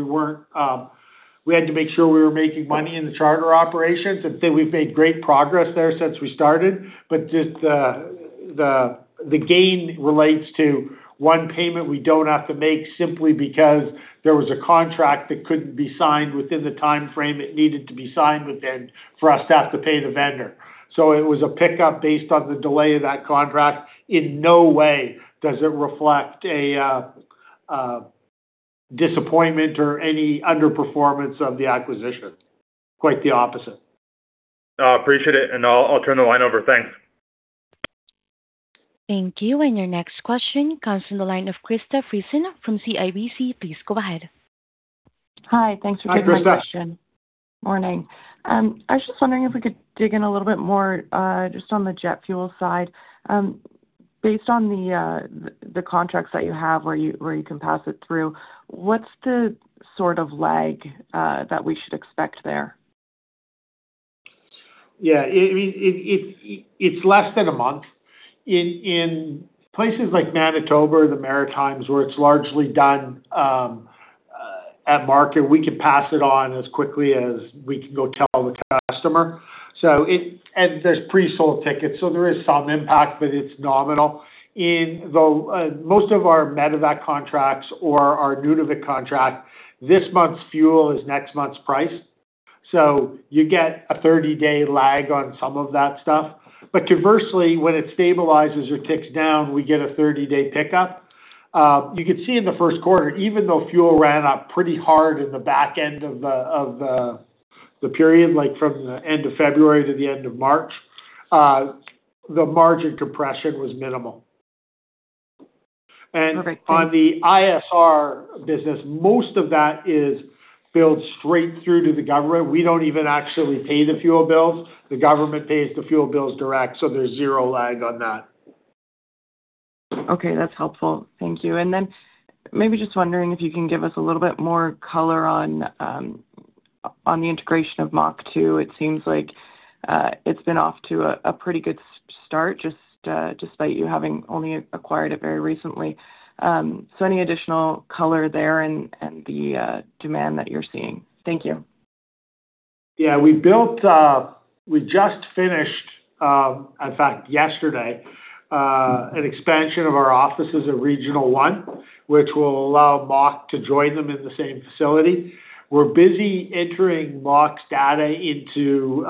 had to make sure we were making money in the charter operations. I'd say we've made great progress there since we started. The gain relates to one payment we don't have to make simply because there was a contract that couldn't be signed within the timeframe it needed to be signed within for us to have to pay the vendor. It was a pickup based on the delay of that contract. In no way does it reflect a disappointment or any underperformance of the acquisition. Quite the opposite. I appreciate it, and I'll turn the line over. Thanks. Thank you. Your next question comes from the line of Krista Friesen from CIBC. Please go ahead. Hi. Thanks for taking my question. Hi, Krista. Morning. I was just wondering if we could dig in a little bit more, just on the jet fuel side. Based on the contracts that you have where you, where you can pass it through, what's the sort of lag that we should expect there? I mean, it's less than a month. In places like Manitoba or the Maritimes where it's largely done, at market, we can pass it on as quickly as we can go tell the customer. There's pre-sold tickets, so there is some impact, but it's nominal. In most of our Medevac contracts or our Nunavut contract, this month's fuel is next month's price. You get a 30-day lag on some of that stuff. Conversely, when it stabilizes or ticks down, we get a 30-day pickup. You could see in the first quarter, even though fuel ran up pretty hard in the back end of the period, like from the end of February to the end of March, the margin compression was minimal. Perfect. Thank you. On the ISR business, most of that is billed straight through to the government. We don't even actually pay the fuel bills. The government pays the fuel bills direct, so there's zero lag on that. Okay, that's helpful. Thank you. Maybe just wondering if you can give us a little bit more color on the integration of MACH 2. It seems like it's been off to a pretty good start just despite you having only acquired it very recently. Any additional color there and the demand that you're seeing? Thank you. Yeah. We just finished, in fact, yesterday, an expansion of our offices at Regional One, which will allow MACH to join them in the same facility. We're busy entering MACH's data into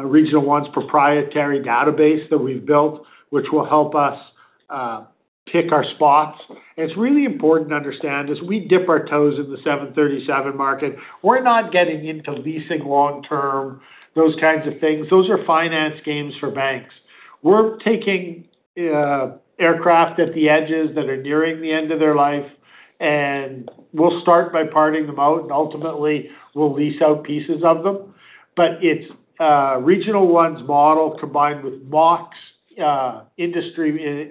Regional One's proprietary database that we've built, which will help us pick our spots. It's really important to understand as we dip our toes in the 737 market, we're not getting into leasing long term, those kinds of things. Those are finance games for banks. We're taking aircraft at the edges that are nearing the end of their life, and we'll start by parting them out, and ultimately, we'll lease out pieces of them. It's Regional One's model combined with MACH's industry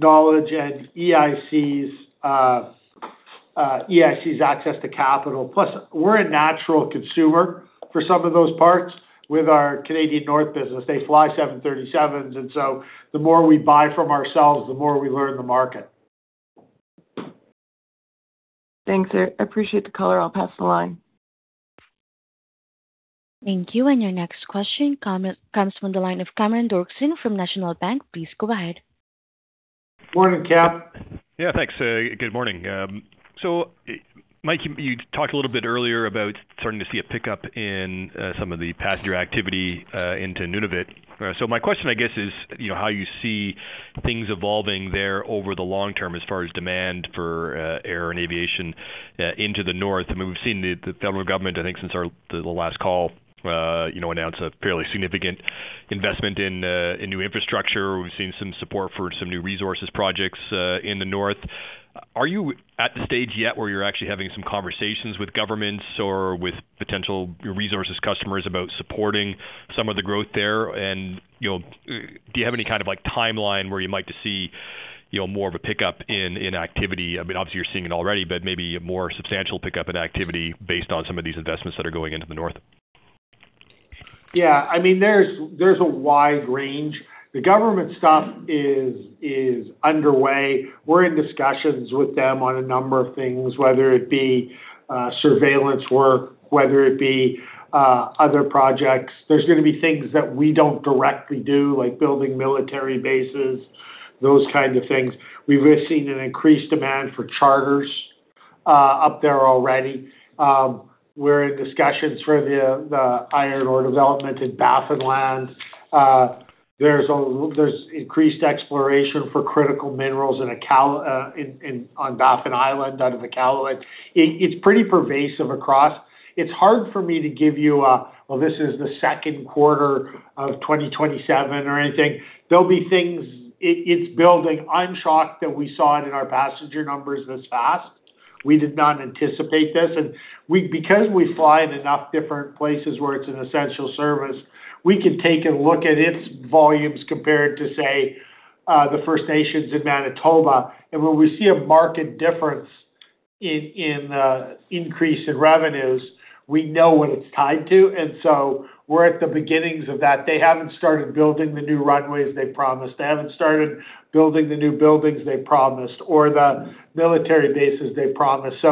knowledge and EIC's access to capital. Plus, we're a natural consumer for some of those parts with our Canadian North business. They fly 737s, and so the more we buy from ourselves, the more we learn the market. Thanks. I appreciate the color. I'll pass the line. Thank you. Your next question comes from the line of Cameron Doerksen from National Bank. Please go ahead. Morning, Cam. Yeah, thanks. Good morning. Mike, you talked a little bit earlier about starting to see a pickup in some of the passenger activity into Nunavut. My question, I guess, is, you know, how you see things evolving there over the long term as far as demand for air and aviation into the North. I mean, we've seen the federal government, I think since the last call, announce a fairly significant investment in new infrastructure. We've seen some support for some new resources projects in the North. Are you at the stage yet where you're actually having some conversations with governments or with potential resources customers about supporting some of the growth there? You know, do you have any kind of, like, timeline where you might to see, you know, more of a pickup in activity? I mean, obviously, you're seeing it already, but maybe a more substantial pickup in activity based on some of these investments that are going into the North. Yeah. I mean, there's a wide range. The government stuff is underway. We're in discussions with them on a number of things, whether it be surveillance work, whether it be other projects. There's gonna be things that we don't directly do, like building military bases, those kinds of things. We've seen an increased demand for charters up there already. We're in discussions for the iron ore development in Baffinland. There's a increased exploration for critical minerals on Baffin Island out of Iqaluit. It's pretty pervasive across. It's hard for me to give you a, "Well, this is the second quarter of 2027," or anything. There'll be things. It's building. I'm shocked that we saw it in our passenger numbers this fast. We did not anticipate this. Because we fly in enough different places where it's an essential service, we can take a look at its volumes compared to, say, the First Nations in Manitoba. When we see a marked difference in increase in revenues, we know what it's tied to. We're at the beginnings of that. They haven't started building the new runways they promised. They haven't started building the new buildings they promised or the military bases they promised.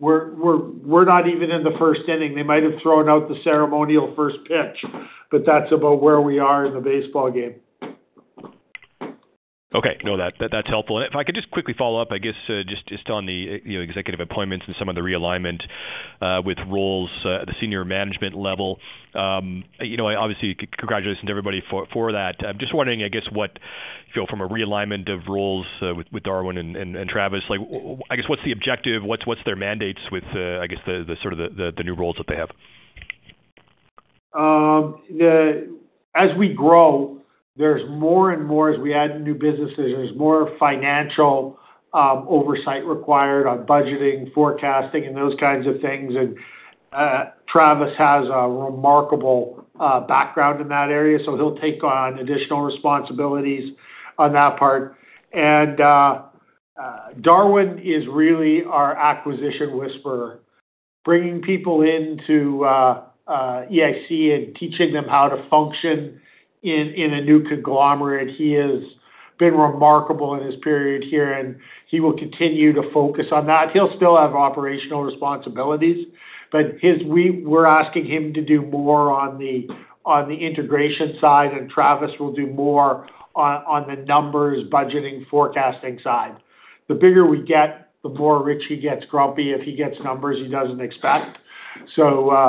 We're not even in the first inning. They might have thrown out the ceremonial first pitch, but that's about where we are in the baseball game. Okay. No, that's helpful. If I could just quickly follow up, I guess, just on the, you know, executive appointments and some of the realignment with roles at the senior management level. You know, obviously congratulations to everybody for that. I'm just wondering, I guess, what, you know, from a realignment of roles, with Darwin and Travis, like I guess, what's the objective, what's their mandates with, I guess the sort of the new roles that they have? As we grow, there's more and more as we add new businesses, there's more financial oversight required on budgeting, forecasting, and those kinds of things. Travis has a remarkable background in that area, so he'll take on additional responsibilities on that part. Darwin is really our acquisition whisperer, bringing people into EIC and teaching them how to function in a new conglomerate. He has been remarkable in his period here, and he will continue to focus on that. He'll still have operational responsibilities, but we're asking him to do more on the integration side, and Travis will do more on the numbers, budgeting, forecasting side. The bigger we get, the more Richie gets grumpy if he gets numbers he doesn't expect. We're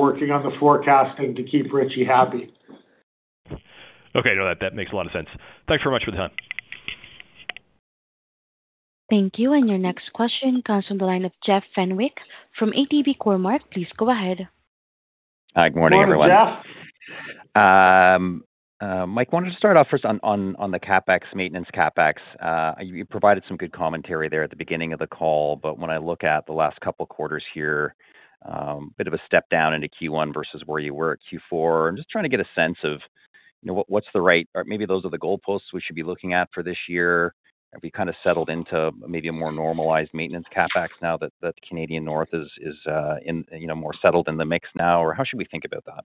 working on the forecasting to keep Richie happy. Okay. No, that makes a lot of sense. Thanks very much for the time. Thank you. Your next question comes from the line of Jeff Fenwick from ATB Cormark. Please go ahead. Hi, good morning, everyone. Morning, Jeff. Mike, wanted to start off first on the CapEx, maintenance CapEx. You provided some good commentary there at the beginning of the call. When I look at the last couple quarters here, bit of a step down into Q1 versus where you were at Q4. I'm just trying to get a sense of, you know, what's the right, or maybe those are the goalposts we should be looking at for this year. Have you kinda settled into maybe a more normalized maintenance CapEx now that Canadian North is in, you know, more settled in the mix now? Or how should we think about that?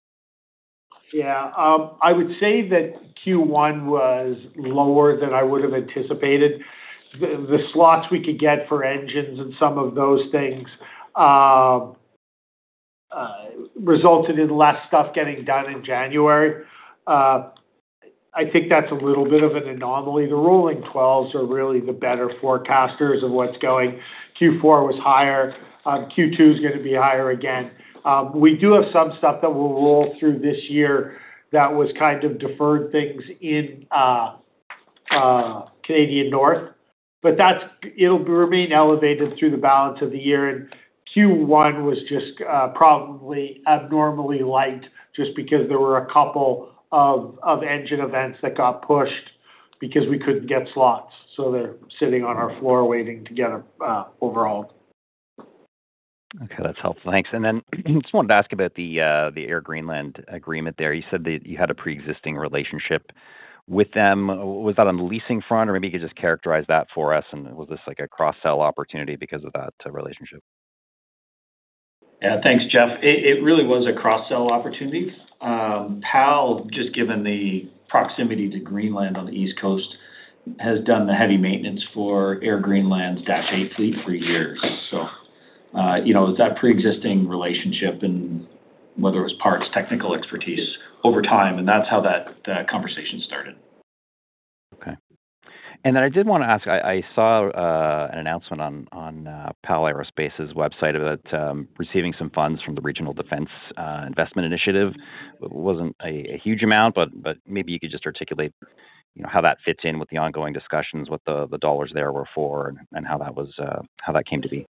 Yeah. I would say that Q1 was lower than I would have anticipated. The slots we could get for engines and some of those things resulted in less stuff getting done in January. I think that's a little bit of an anomaly. The rolling 12s are really the better forecasters of what's going. Q4 was higher. Q2 is gonna be higher again. We do have some stuff that will roll through this year that was kind of deferred things in Canadian North, it'll remain elevated through the balance of the year. Q1 was just, probably abnormally light just because there were a couple of engine events that got pushed because we couldn't get slots. They're sitting on our floor waiting to get overhauled. Okay, that's helpful. Thanks. Then just wanted to ask about the Air Greenland agreement there. You said that you had a pre-existing relationship with them. Was that on the leasing front? Or maybe you could just characterize that for us, and was this like a cross-sell opportunity because of that relationship? Thanks, Jeff. It really was a cross-sell opportunity. PAL, just given the proximity to Greenland on the East Coast, has done the heavy maintenance for Air Greenland's Dash 8 fleet for years. You know, it's that pre-existing relationship and whether it was parts, technical expertise over time, and that's how that conversation started. Okay. I did wanna ask, I saw an announcement on PAL Aerospace's website about receiving some funds from the Regional Defence Investment Initiative. Wasn't a huge amount, but maybe you could just articulate, you know, how that fits in with the ongoing discussions, what the dollars there were for and how that was how that came to be.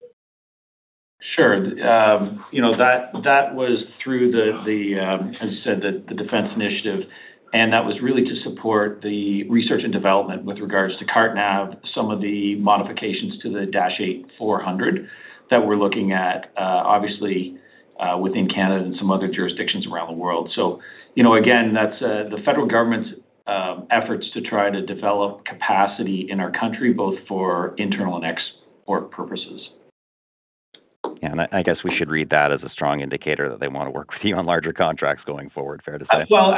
Sure. you know, that was through the, as you said, the Defense Initiative, and that was really to support the research and development with regards to CarteNav, some of the modifications to the Dash 8-400 that we're looking at, obviously, within Canada and some other jurisdictions around the world. you know, again, that's the federal government's efforts to try to develop capacity in our country, both for internal and export purposes. Yeah. I guess we should read that as a strong indicator that they wanna work with you on larger contracts going forward, fair to say? Well,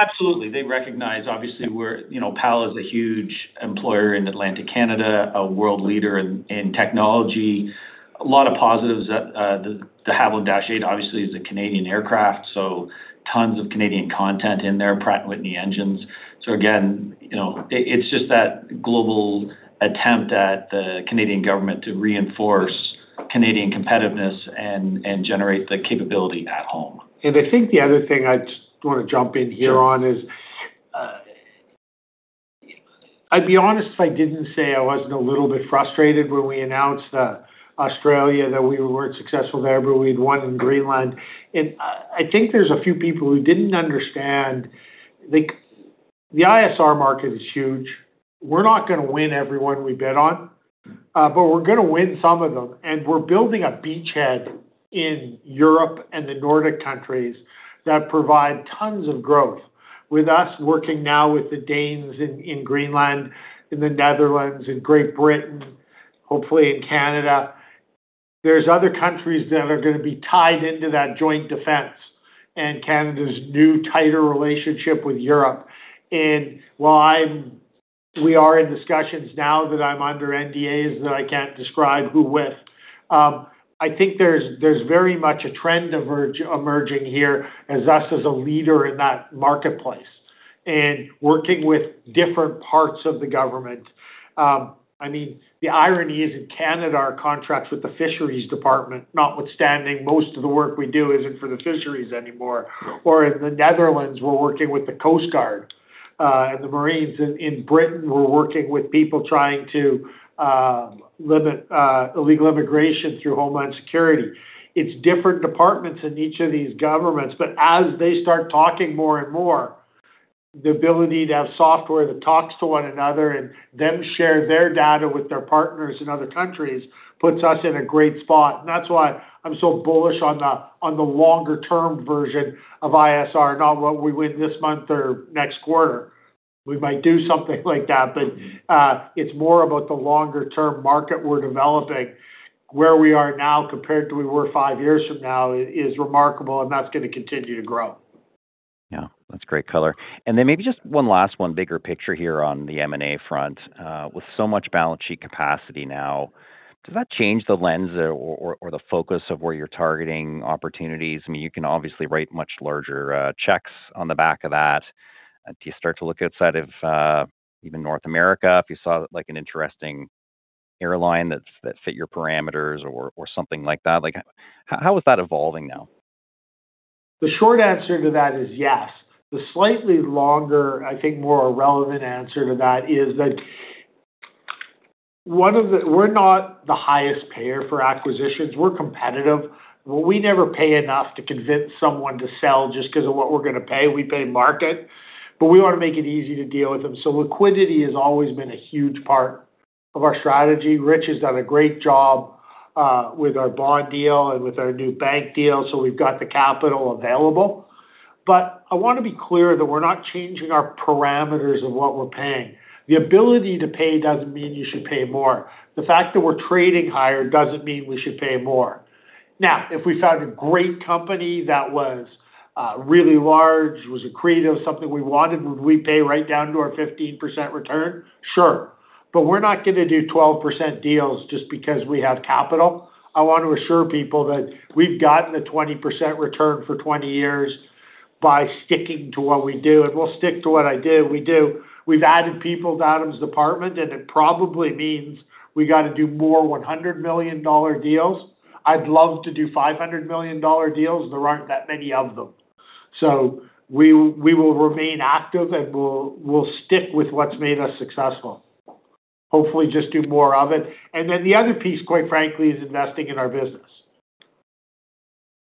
absolutely. They recognize, obviously, we're, you know, PAL is a huge employer in Atlantic Canada, a world leader in technology. A lot of positives that the De Havilland Dash 8 obviously is a Canadian aircraft, so tons of Canadian content in there, Pratt & Whitney engines. Again, you know, it's just that global attempt at the Canadian government to reinforce Canadian competitiveness and generate the capability at home. I think the other thing I just wanna jump in here on is, I'd be honest if I didn't say I wasn't a little bit frustrated when we announced Australia, that we weren't successful there, but we'd won in Greenland. I think there's a few people who didn't understand the ISR market is huge. We're not gonna win every one we bid on, but we're gonna win some of them, and we're building a beachhead in Europe and the Nordic countries that provide tons of growth. With us working now with the Danes in Greenland, in the Netherlands, in Great Britain, hopefully in Canada, there's other countries that are gonna be tied into that joint defense and Canada's new tighter relationship with Europe. While we are in discussions now that I'm under NDAs that I can't describe who with. I think there's very much a trend emerging here as us as a leader in that marketplace and working with different parts of the government. I mean, the irony is in Canada, our contracts with the fisheries department, notwithstanding most of the work we do isn't for the fisheries anymore. In the Netherlands, we're working with the Coast Guard and the Marines. In Britain, we're working with people trying to limit illegal immigration through homeland security. It's different departments in each of these governments, but as they start talking more and more, the ability to have software that talks to one another and them share their data with their partners in other countries puts us in a great spot. That's why I'm so bullish on the longer term version of ISR, not what we win this month or next quarter. We might do something like that, but it's more about the longer term market we're developing. Where we are now compared to where we're five years from now is remarkable, and that's going to continue to grow. Yeah, that's great color. Then maybe just one last one, bigger picture here on the M&A front. With so much balance sheet capacity now, does that change the lens or the focus of where you're targeting opportunities? I mean, you can obviously write much larger checks on the back of that. Do you start to look outside of even North America if you saw, like, an interesting airline that fit your parameters or something like that? Like how is that evolving now? The short answer to that is yes. The slightly longer, I think more relevant answer to that is that we're not the highest payer for acquisitions. We're competitive. We never pay enough to convince someone to sell just 'cause of what we're gonna pay. We pay market. We want to make it easy to deal with them. Liquidity has always been a huge part of our strategy. Rich has done a great job with our bond deal and with our new bank deal. We've got the capital available. I wanna be clear that we're not changing our parameters of what we're paying. The ability to pay doesn't mean you should pay more. The fact that we're trading higher doesn't mean we should pay more. If we found a great company that was really large, was accretive, something we wanted, would we pay right down to our 15% return? Sure. We're not gonna do 12% deals just because we have capital. I want to assure people that we've gotten a 20% return for 20 years by sticking to what we do, and we'll stick to what we do. We've added people to Adam's department, and it probably means we gotta do more 100 million dollar deals. I'd love to do 500 million dollar deals. There aren't that many of them. We will remain active, and we'll stick with what's made us successful. Hopefully just do more of it. Then the other piece, quite frankly, is investing in our business.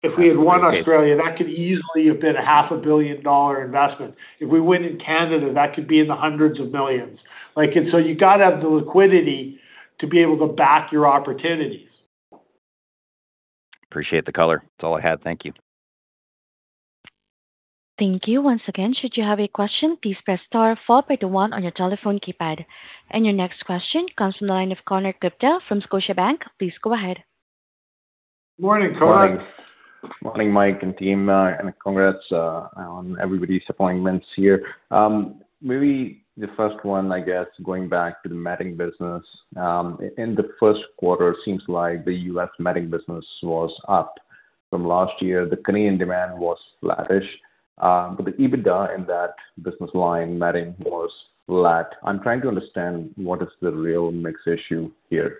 If we had won Australia, that could easily have been a 500 million dollar investment. If we win in Canada, that could be in the hundreds of millions. Like, you gotta have the liquidity to be able to back your opportunities. Appreciate the color. That's all I had. Thank you. Thank you. Your next question comes from the line of Konark Gupta from Scotiabank. Please go ahead. Morning, Konark. Morning. Morning, Mike and team, and congrats on everybody's appointments here. Maybe the first one, I guess, going back to the matting business. In the first quarter, seems like the U.S. matting business was up from last year. The Canadian demand was flattish. The EBITDA in that business line, matting, was flat. I'm trying to understand what is the real mix issue here.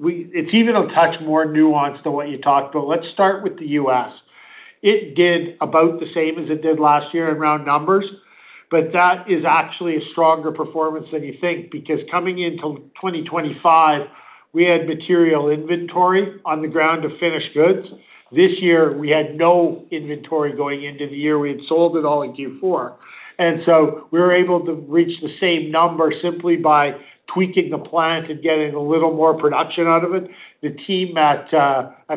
It's even a touch more nuanced than what you talked, let's start with the U.S. It did about the same as it did last year in round numbers, that is actually a stronger performance than you think because coming into 2025, we had material inventory on the ground of finished goods. This year, we had no inventory going into the year. We had sold it all in Q4. We were able to reach the same number simply by tweaking the plant and getting a little more production out of it. The team at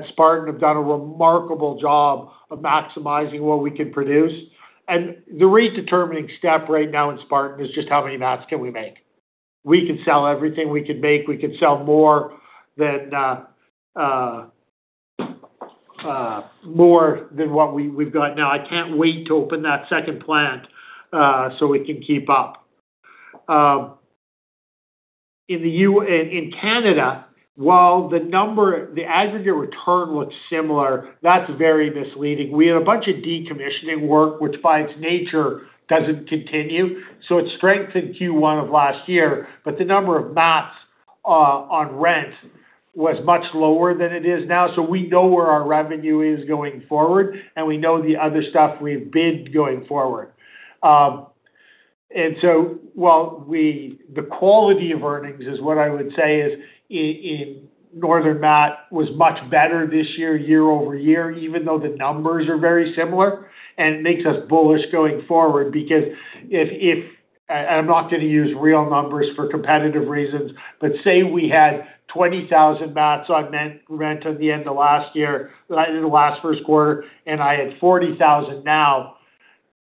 Spartan have done a remarkable job of maximizing what we can produce. The rate determining step right now in Spartan is just how many mats can we make. We can sell everything we can make. We can sell more than more than what we've got now. I can't wait to open that second plant so we can keep up. In Canada, while the number, the aggregate return looks similar, that's very misleading. We had a bunch of decommissioning work, which by its nature doesn't continue. It strengthened Q1 of last year, but the number of mats on rent was much lower than it is now. We know where our revenue is going forward, and we know the other stuff we've bid going forward. While the quality of earnings is what I would say is in Northern Mat was much better this year-over-year, even though the numbers are very similar. It makes us bullish going forward because I'm not going to use real numbers for competitive reasons, but say we had 20,000 mats on rent at the end of last year, in the last first quarter, I had 40,000 now,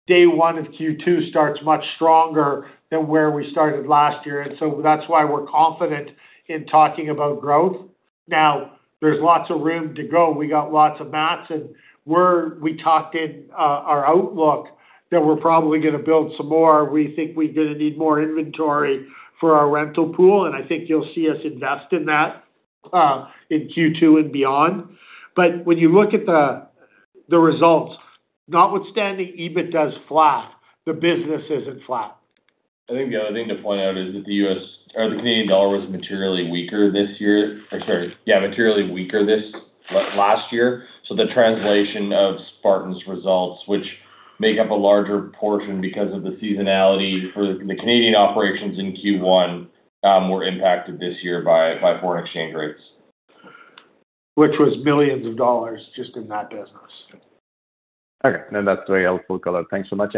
day one of Q2 starts much stronger than where we started last year. That is why we are confident in talking about growth. Now there is lots of room to grow. We got lots of mats, we talked in our outlook that we are probably going to build some more. We think we are going to need more inventory for our rental pool, I think you will see us invest in that in Q2 and beyond. When you look at the results, notwithstanding EBITDA is flat, the business is not flat. I think the other thing to point out is that the U.S. or the Canadian dollar was materially weaker this year or sorry, yeah, materially weaker this last year. The translation of Spartan's results, which make up a larger portion because of the seasonality for the Canadian operations in Q1, were impacted this year by foreign exchange rates. Which was millions of dollars just in that business. Okay. No, that's very helpful color. Thanks so much.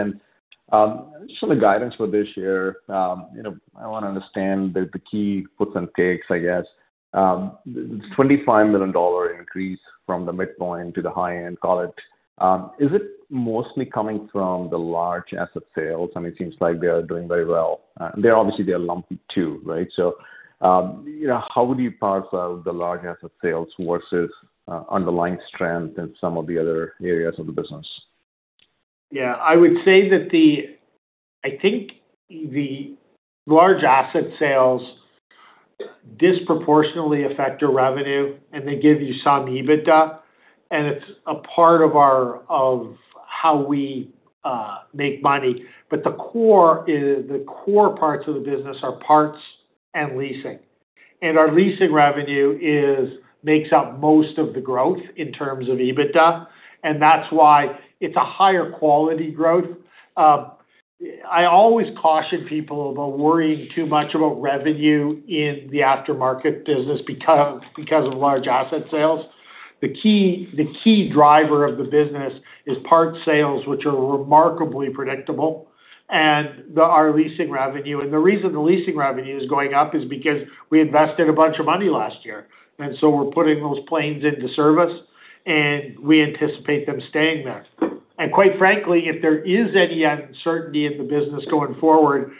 Just on the guidance for this year, you know, I wanna understand the key puts and takes, I guess. The 25 million dollar increase from the midpoint to the high end, call it, is it mostly coming from the large asset sales? I mean, it seems like they are doing very well. They're obviously lumpy too, right? You know, how would you parse out the large asset sales versus underlying strength in some of the other areas of the business? Yeah. I would say that I think the large asset sales disproportionately affect your revenue, and they give you some EBITDA, and it's a part of how we make money. The core parts of the business are parts and leasing. Our leasing revenue makes up most of the growth in terms of EBITDA, and that's why it's a higher quality growth. I always caution people about worrying too much about revenue in the aftermarket business because of large asset sales. The key driver of the business is parts sales, which are remarkably predictable, and our leasing revenue. The reason the leasing revenue is going up is because we invested a bunch of money last year, we're putting those planes into service, and we anticipate them staying there. Quite frankly, if there is any uncertainty in the business going forward,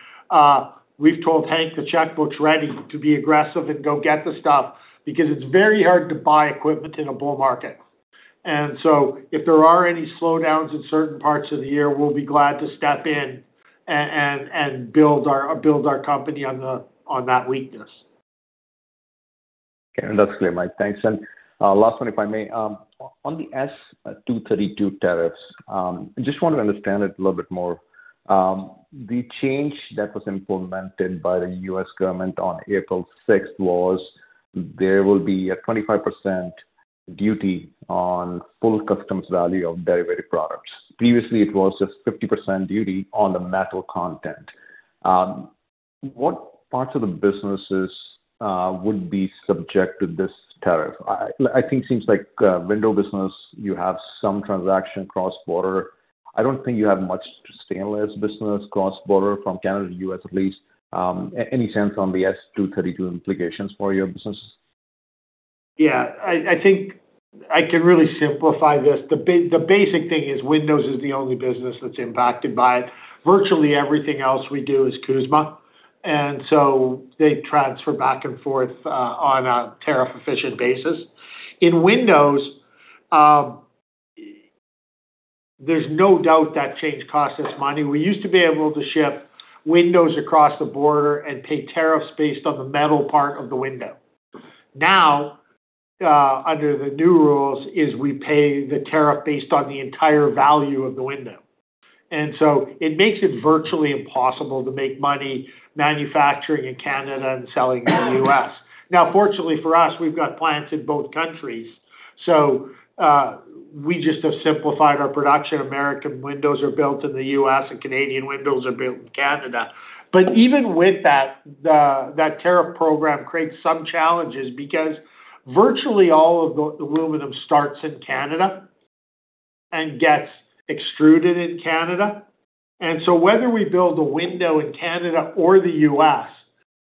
we've told Hank the checkbook's ready to be aggressive and go get the stuff because it's very hard to buy equipment in a bull market. If there are any slowdowns in certain parts of the year, we'll be glad to step in and build our company on that weakness. Okay. That's clear, Mike. Thanks. Last one, if I may. On the S 232 tariffs, I just want to understand it a little bit more. The change that was implemented by the U.S. government on April 6th was there will be a 25% duty on full customs value of derivative products. Previously, it was just 50% duty on the metal content. What parts of the businesses would be subject to this tariff? I think seems like window business, you have some transaction cross-border. I don't think you have much stainless business cross-border from Canada to U.S. at least. Any sense on the S 232 implications for your businesses? Yeah. I think I can really simplify this. The basic thing is Windows is the only business that's impacted by it. Virtually everything else we do is CUSMA, they transfer back and forth on a tariff-efficient basis. In Windows, there's no doubt that change costs us money. We used to be able to ship windows across the border and pay tariffs based on the metal part of the window. Now, under the new rules, is we pay the tariff based on the entire value of the window. It makes it virtually impossible to make money manufacturing in Canada and selling in the U.S. Now, fortunately for us, we've got plants in both countries, we just have simplified our production. American windows are built in the U.S., Canadian windows are built in Canada. Even with that, the, that tariff program creates some challenges because virtually all of the aluminum starts in Canada and gets extruded in Canada. So whether we build a window in Canada or the U.S.,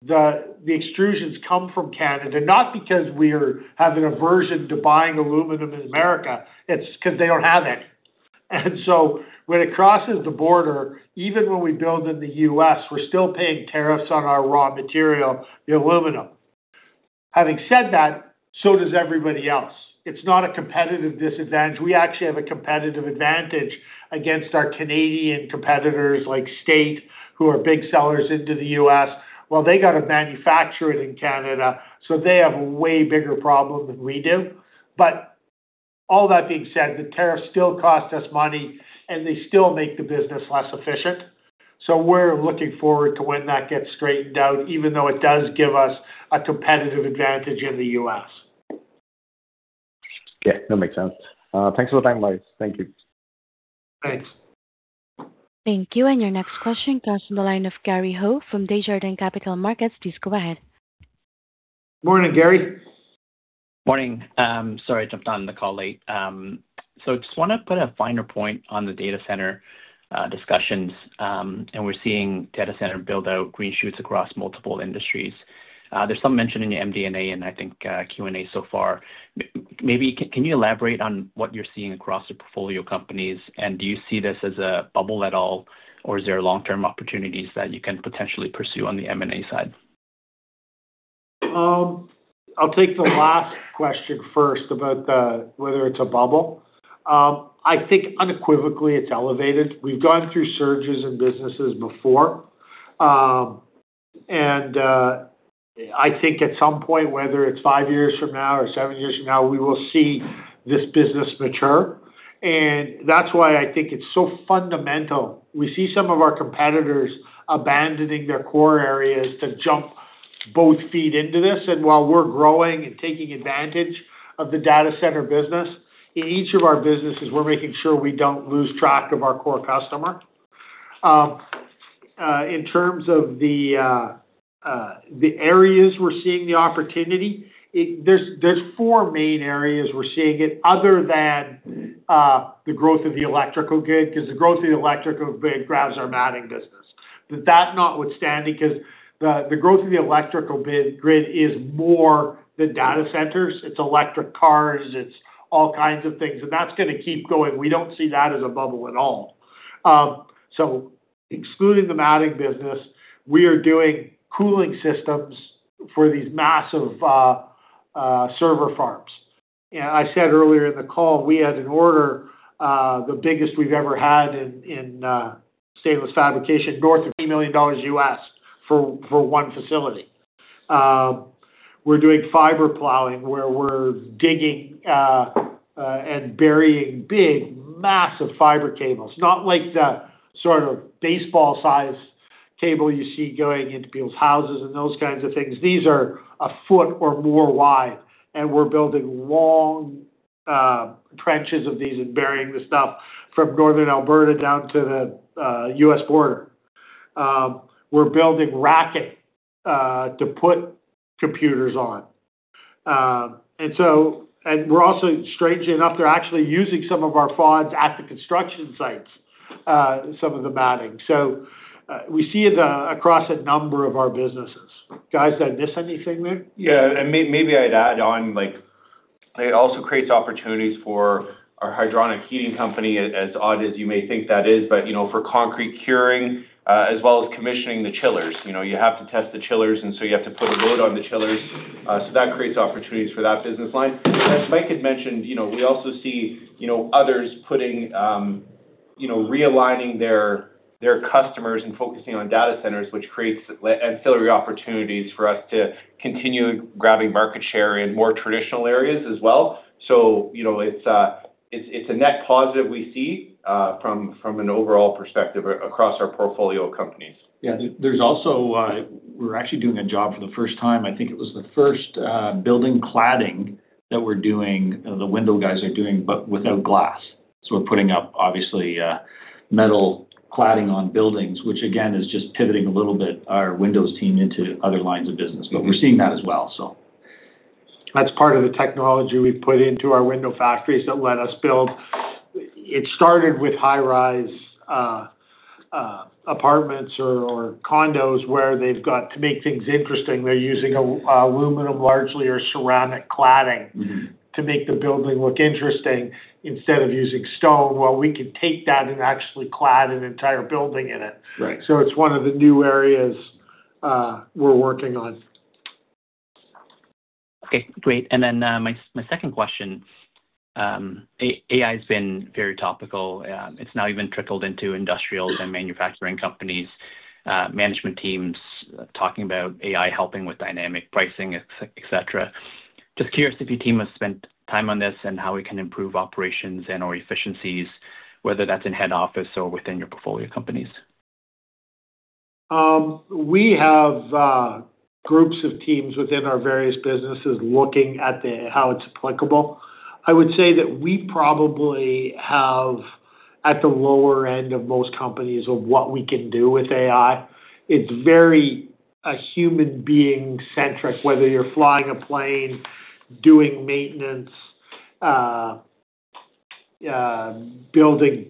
the extrusions come from Canada, not because we're having aversion to buying aluminum in America. It's 'cause they don't have any. So when it crosses the border, even when we build in the U.S., we're still paying tariffs on our raw material, the aluminum. Having said that, so does everybody else. It's not a competitive disadvantage. We actually have a competitive advantage against our Canadian competitors, like State, who are big sellers into the U.S. They gotta manufacture it in Canada, so they have a way bigger problem than we do. All that being said, the tariffs still cost us money, and they still make the business less efficient. We're looking forward to when that gets straightened out, even though it does give us a competitive advantage in the U.S. Okay. That makes sense. Thanks for the time, Mike. Thank you. Thanks. Thank you. Your next question comes from the line of Gary Ho from Desjardins Capital Markets. Please go ahead. Morning, Gary. Morning. Sorry I jumped on the call late. Just wanna put a finer point on the data center discussions. We're seeing data center build out green shoots across multiple industries. There's some mention in your MD&A and I think Q&A so far. Maybe can you elaborate on what you're seeing across the portfolio companies, and do you see this as a bubble at all, or is there long-term opportunities that you can potentially pursue on the M&A side? I'll take the last question first about the, whether it's a bubble. I think unequivocally it's elevated. We've gone through surges in businesses before. I think at some point, whether it's five years from now or seven years from now, we will see this business mature, and that's why I think it's so fundamental. We see some of our competitors abandoning their core areas to jump both feet into this, and while we're growing and taking advantage of the data center business, in each of our businesses, we're making sure we don't lose track of our core customer. In terms of the areas we're seeing the opportunity, there's four main areas we're seeing it other than the growth of the electrical grid, 'cause the growth of the electrical grid grabs our matting business. That notwithstanding, 'cause the growth of the electrical grid is more than data centers. It's electric cars. It's all kinds of things, and that's gonna keep going. We don't see that as a bubble at all. Excluding the matting business, we are doing cooling systems for these massive server farms. You know, I said earlier in the call we had an order, the biggest we've ever had in stainless fabrication, north of $8 million for one facility. We're doing fiber plowing, where we're digging and burying big, massive fiber cables. Not like the sort of baseball-size cable you see going into people's houses and those kinds of things. These are a foot or more wide, and we're building long trenches of these and burying the stuff from Northern Alberta down to the U.S. border. We're building rack to put computers on. We're also, strangely enough, they're actually using some of our FODS at the construction sites, some of the matting. We see it across a number of our businesses. Guys, did I miss anything maybe? Yeah. Maybe I'd add on, like, it also creates opportunities for our hydronic heating company as odd as you may think that is, but, you know, for concrete curing, as well as commissioning the chillers. You know, you have to test the chillers, you have to put a load on the chillers, that creates opportunities for that business line. As Mike had mentioned, you know, we also see, you know, others putting, you know, realigning their customers and focusing on data centers, which creates ancillary opportunities for us to continue grabbing market share in more traditional areas as well. You know, it's a net positive we see, from an overall perspective across our portfolio companies. Yeah. There's also, we're actually doing a job for the first time, I think it was the first building cladding that we're doing, the window guys are doing, but without glass. We're putting up obviously, metal cladding on buildings, which again, is just pivoting a little bit our windows team into other lines of business. We're seeing that as well. That's part of the technology we've put into our window factories that let us build. It started with high rise apartments or condos where they've got to make things interesting. They're using aluminum largely or ceramic cladding to make the building look interesting instead of using stone. Well, we can take that and actually clad an entire building in it. Right. It's one of the new areas, we're working on. Okay, great. My second question. AI's been very topical. It's now even trickled into industrials and manufacturing companies. Management teams talking about AI helping with dynamic pricing, et cetera. Just curious if your team has spent time on this and how we can improve operations and/or efficiencies, whether that's in head office or within your portfolio companies. We have groups of teams within our various businesses looking at how it's applicable. I would say that we probably have at the lower end of most companies of what we can do with AI. It's very human being centric, whether you're flying a plane, doing maintenance, building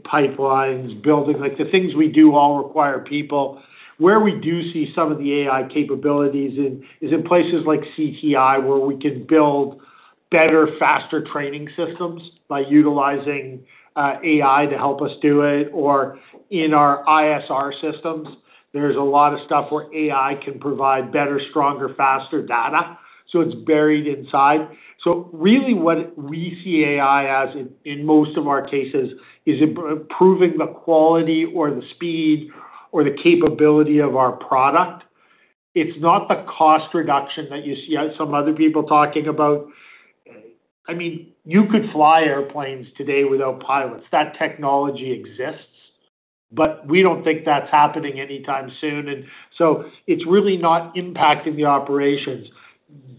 pipelines. Like the things we do all require people. Where we do see some of the AI capabilities in is in places like CTI where we can build better, faster training systems by utilizing AI to help us do it or in our ISR systems. There's a lot of stuff where AI can provide better, stronger, faster data, so it's buried inside. Really what we see AI as in most of our cases is improving the quality or the speed or the capability of our product. It's not the cost reduction that you see, some other people talking about. I mean, you could fly airplanes today without pilots. That technology exists, but we don't think that's happening anytime soon. It's really not impacting the operations.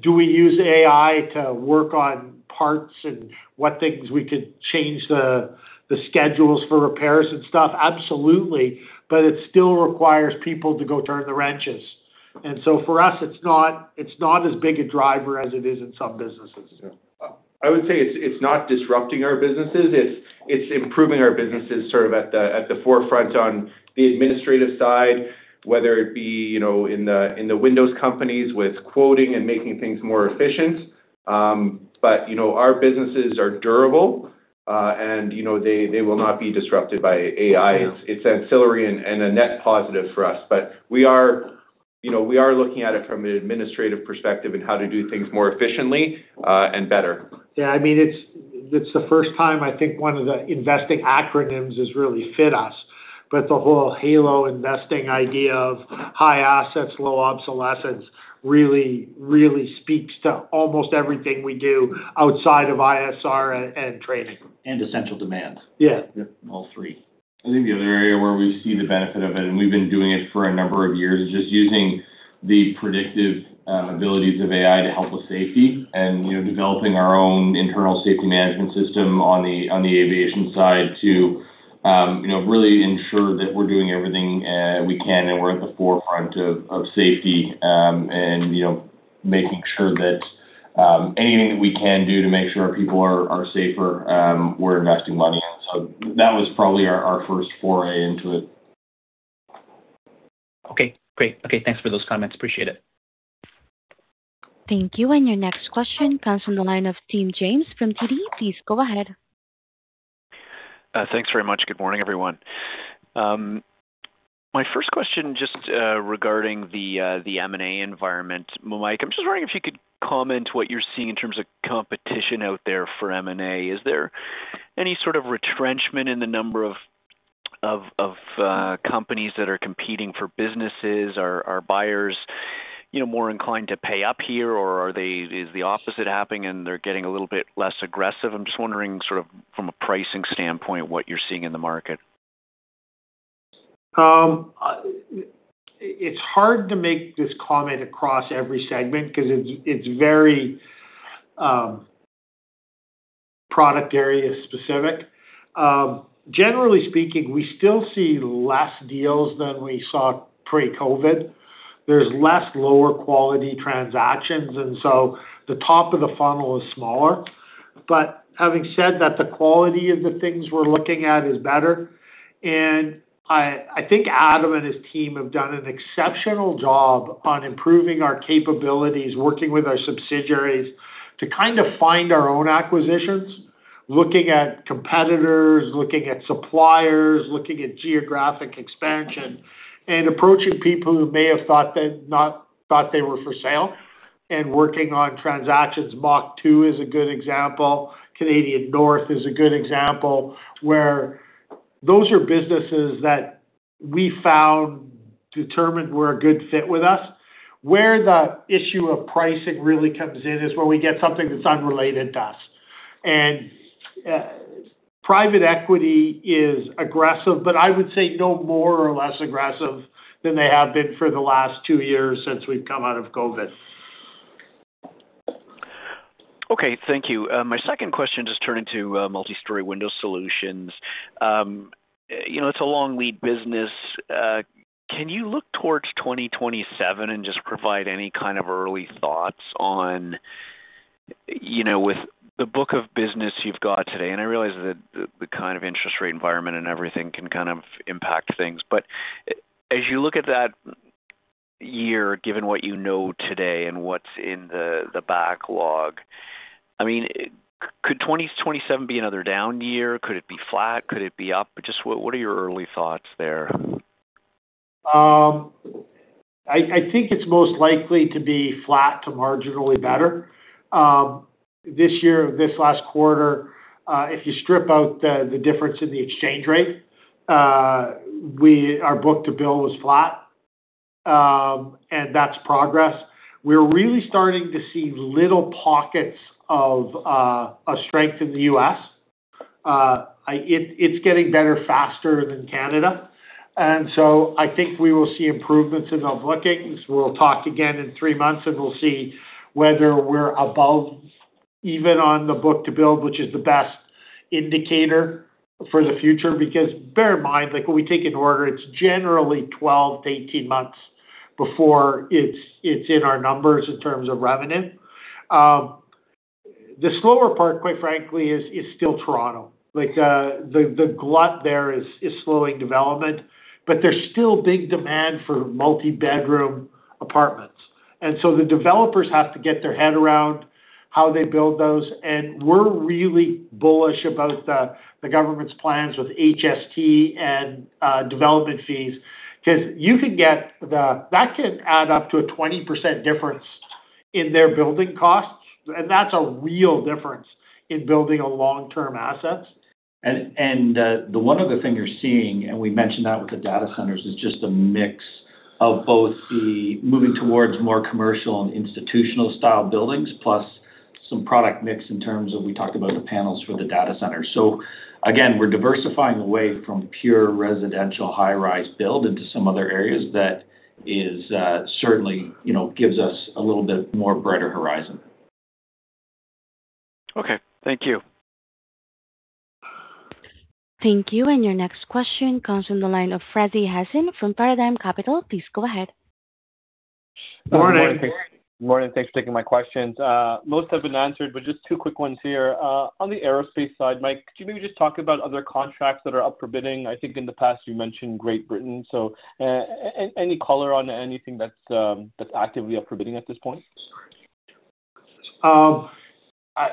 Do we use AI to work on parts and what things we could change the schedules for repairs and stuff? Absolutely. It still requires people to go turn the wrenches. For us, it's not as big a driver as it is in some businesses. Yeah. I would say it's not disrupting our businesses. It's, it's improving our businesses sort of at the forefront on the administrative side, whether it be, you know, in the windows companies with quoting and making things more efficient. You know, our businesses are durable. You know, they will not be disrupted by AI. Yeah. It's ancillary and a net positive for us. We are, you know, we are looking at it from an administrative perspective and how to do things more efficiently and better. Yeah, I mean, it's the first time I think one of the investing acronyms has really fit us. The whole HALO investing idea of high assets, low obsolescence really speaks to almost everything we do outside of ISR and training. Essential demand. Yeah. Yeah, all three. I think the other area where we see the benefit of it, and we've been doing it for a number of years, is just using the predictive abilities of AI to help with safety and, you know, developing our own internal safety management system on the aviation side to, you know, really ensure that we're doing everything we can, and we're at the forefront of safety. And, you know, making sure that anything that we can do to make sure our people are safer, we're investing money in. That was probably our first foray into it. Okay, great. Okay, thanks for those comments. Appreciate it. Thank you. Your next question comes from the line of Tim James from TD. Please go ahead. Thanks very much. Good morning, everyone. My first question just regarding the M&A environment. Mike, I'm just wondering if you could comment what you're seeing in terms of competition out there for M&A. Is there any sort of retrenchment in the number of companies that are competing for businesses? Are buyers, you know, more inclined to pay up here, or is the opposite happening and they're getting a little bit less aggressive? I'm just wondering sort of from a pricing standpoint what you're seeing in the market. It's hard to make this comment across every segment 'cause it's very product area specific. Generally speaking, we still see less deals than we saw pre-COVID. There's less lower quality transactions, the top of the funnel is smaller. Having said that, the quality of the things we're looking at is better. I think Adam and his team have done an exceptional job on improving our capabilities, working with our subsidiaries to kind of find our own acquisitions, looking at competitors, looking at suppliers, looking at geographic expansion, and approaching people who may have thought they were for sale and working on transactions. MACH 2 is a good example. Canadian North is a good example, where those are businesses that we found determined were a good fit with us. Where the issue of pricing really comes in is where we get something that's unrelated to us. Private equity is aggressive, but I would say no more or less aggressive than they have been for the last two years since we've come out of COVID. Okay, thank you. My second question, just turning to Multi-Storey Window Solutions. You know, it's a long lead business. Can you look towards 2027 and just provide any kind of early thoughts on, you know, with the book of business you've got today, and I realize that the kind of interest rate environment and everything can kind of impact things. As you look at that year, given what you know today and what's in the backlog, I mean, could 2027 be another down year? Could it be flat? Could it be up? Just what are your early thoughts there? I think it's most likely to be flat to marginally better. This year, this last quarter, if you strip out the difference in the exchange rate, our book-to-bill was flat. That's progress. We're really starting to see little pockets of strength in the U.S. It's getting better faster than Canada. I think we will see improvements in the bookings. We'll talk again in three months, and we'll see whether we're above even on the book-to-bill, which is the best indicator for the future. Because bear in mind, like, when we take an order, it's generally 12 to 18 months before it's in our numbers in terms of revenue. The slower part, quite frankly, is still Toronto. Like, the glut there is slowing development, but there's still big demand for multi-bedroom apartments. The developers have to get their head around how they build those. We're really bullish about the government's plans with HST and development fees. Because that can add up to a 20% difference in their building costs, and that's a real difference in building a long-term asset. The one other thing you're seeing, and we mentioned that with the data centers, is just a mix of both the moving towards more commercial and institutional style buildings, plus some product mix in terms of, we talked about the panels for the data centers. Again, we're diversifying away from pure residential high-rise build into some other areas that is certainly, you know, gives us a little bit more brighter horizon. Okay. Thank you. Thank you. Your next question comes from the line of Razi Hasan from Paradigm Capital. Please go ahead. Morning. Morning. Thanks for taking my questions. Most have been answered, just two quick ones here. On the aerospace side, Mike, could you maybe just talk about other contracts that are up for bidding? I think in the past you mentioned Great Britain. Any color on anything that's actively up for bidding at this point?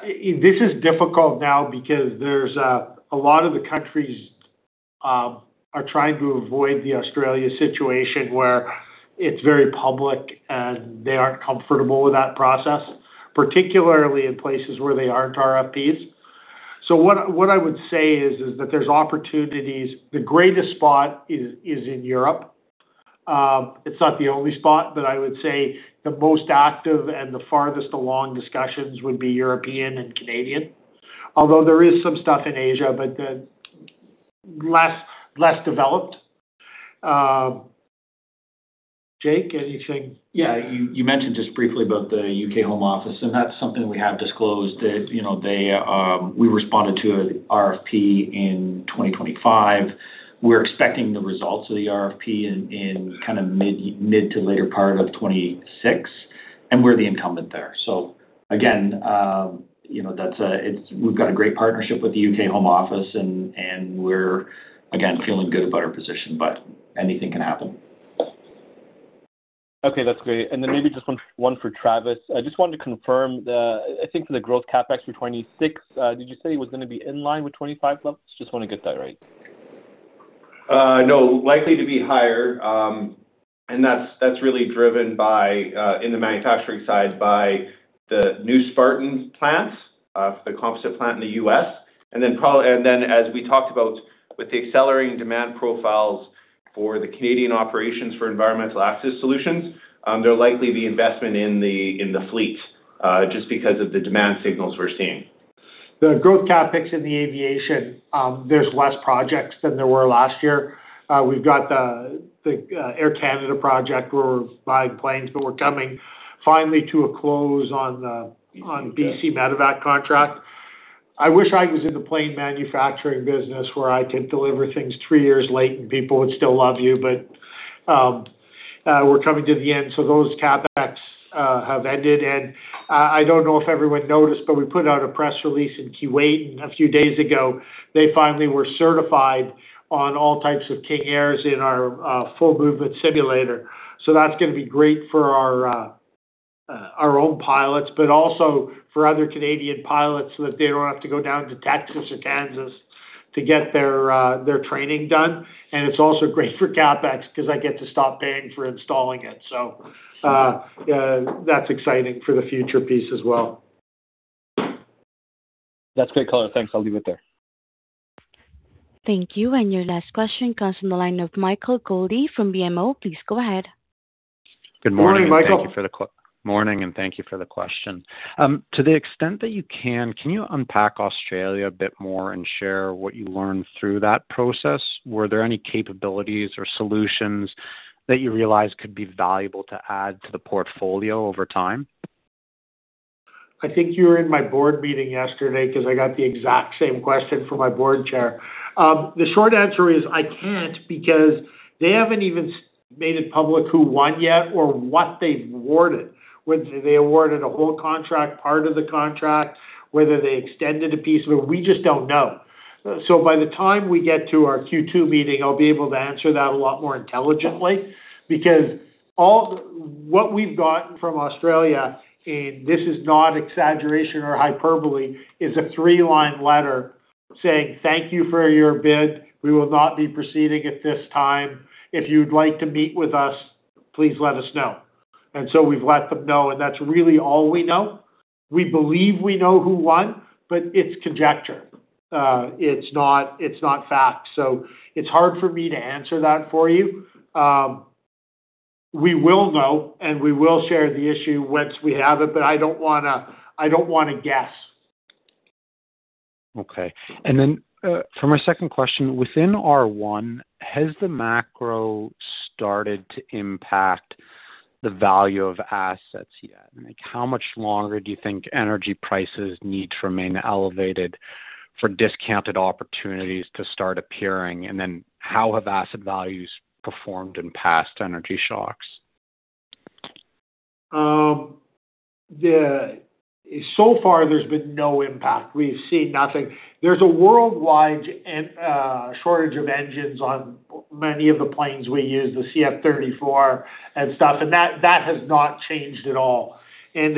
This is difficult now because there's a lot of the countries are trying to avoid the Australia situation where it's very public and they aren't comfortable with that process, particularly in places where they aren't RFPs. What I would say is that there's opportunities. The greatest spot is in Europe. It's not the only spot, but I would say the most active and the farthest along discussions would be European and Canadian. Although there is some stuff in Asia, but less developed. Jake, anything? You mentioned just briefly about the U.K. Home Office, and that's something we have disclosed that, you know, they responded to an RFP in 2025. We're expecting the results of the RFP in kind of mid to later part of 2026, and we're the incumbent there. Again, you know, that's a great partnership with the U.K. Home Office and we're, again, feeling good about our position, but anything can happen. Okay, that's great. Then maybe just one for Travis. I just wanted to confirm I think for the growth CapEx for 2026, did you say it was gonna be in line with 2025 levels? Just wanna get that right. No. Likely to be higher. That's really driven by, in the manufacturing side, by the new Spartan plant, the composite plant in the U.S. Then as we talked about with the accelerating demand profiles for the Canadian operations for environmental access solutions, there'll likely be investment in the fleet, just because of the demand signals we're seeing. The growth CapEx in the aviation, there's less projects than there were last year. We've got the Air Canada project. We're buying planes, but we're coming finally to a close on the. BC Medevac On BC Medevac contract. I wish I was in the plane manufacturing business where I could deliver things three years late and people would still love you. We're coming to the end, so those CapEx have ended. I don't know if everyone noticed, but we put out a press release in Kuwait, a few days ago, they finally were certified on all types of King Airs in our full-movement simulator. That's gonna be great for our own pilots, but also for other Canadian pilots so that they don't have to go down to Texas or Kansas to get their training done. It's also great for CapEx because I get to stop paying for installing it. That's exciting for the future piece as well. That's great color. Thanks. I'll leave it there. Thank you. Your last question comes from the line of Michael Goldie from BMO. Please go ahead. Good morning, Michael. Morning, thank you for the question. To the extent that you can you unpack Australia a bit more and share what you learned through that process? Were there any capabilities or solutions that you realized could be valuable to add to the portfolio over time? I think you were in my board meeting yesterday because I got the exact same question from my board chair. The short answer is I can't because they haven't even made it public who won yet or what they've awarded, whether they awarded a whole contract, part of the contract, whether they extended a piece. We just don't know. By the time we get to our Q2 meeting, I'll be able to answer that a lot more intelligently because all what we've gotten from Australia, and this is not exaggeration or hyperbole, is a three-line letter saying, "Thank you for your bid. We will not be proceeding at this time. If you'd like to meet with us, please let us know." We've let them know, and that's really all we know. We believe we know who won, but it's conjecture. It's not fact. It's hard for me to answer that for you. We will know, and we will share the issue once we have it, but I don't wanna guess. Okay. For my second question, within R1, has the macro started to impact the value of assets yet? Like, how much longer do you think energy prices need to remain elevated for discounted opportunities to start appearing? How have asset values performed in past energy shocks? So far there's been no impact. We've seen nothing. There's a worldwide shortage of engines on many of the planes we use, the CF34 and stuff, and that has not changed at all. As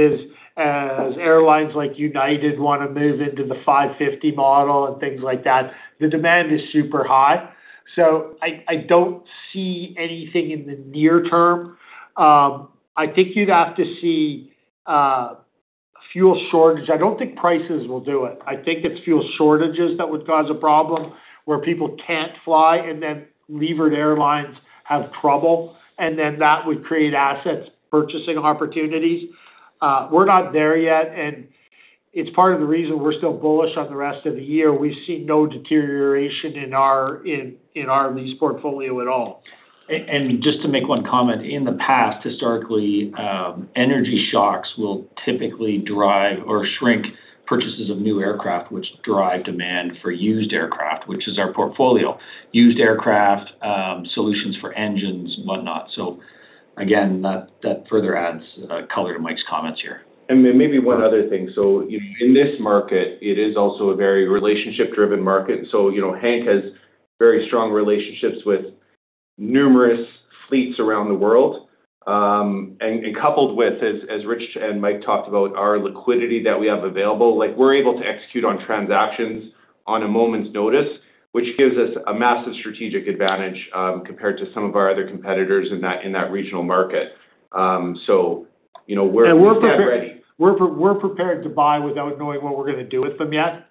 airlines like United wanna move into the 550 model and things like that, the demand is super high. I don't see anything in the near term. I think you'd have to see a fuel shortage. I don't think prices will do it. I think it's fuel shortages that would cause a problem where people can't fly and then levered airlines have trouble, and then that would create assets purchasing opportunities. We're not there yet, and it's part of the reason we're still bullish on the rest of the year. We see no deterioration in our lease portfolio at all. Just to make one comment. In the past, historically, energy shocks will typically drive or shrink purchases of new aircraft which drive demand for used aircraft, which is our portfolio. Used aircraft, solutions for engines and whatnot. Again, that further adds color to Mike's comments here. Maybe one other thing. In this market, it is also a very relationship-driven market. You know, Hank has very strong relationships with numerous fleets around the world, and coupled with, as Rich and Mike talked about, our liquidity that we have available. Like, we're able to execute on transactions on a moment's notice, which gives us a massive strategic advantage compared to some of our other competitors in that regional market. And we're pre- We stand ready. We're prepared to buy without knowing what we're gonna do with them yet.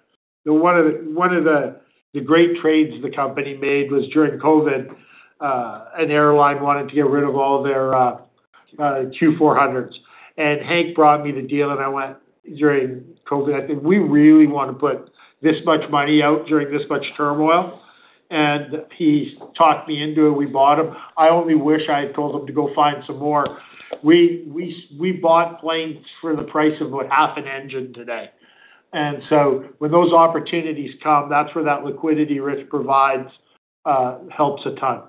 The one of the great trades the company made was during COVID, an airline wanted to get rid of all their Q400 series. Hank brought me the deal. I went during COVID. I think we really want to put this much money out during this much turmoil. He talked me into it. We bought 'em. I only wish I had told him to go find some more. We bought planes for the price of, what, half an engine today. When those opportunities come, that's where that liquidity risk provides, helps a ton.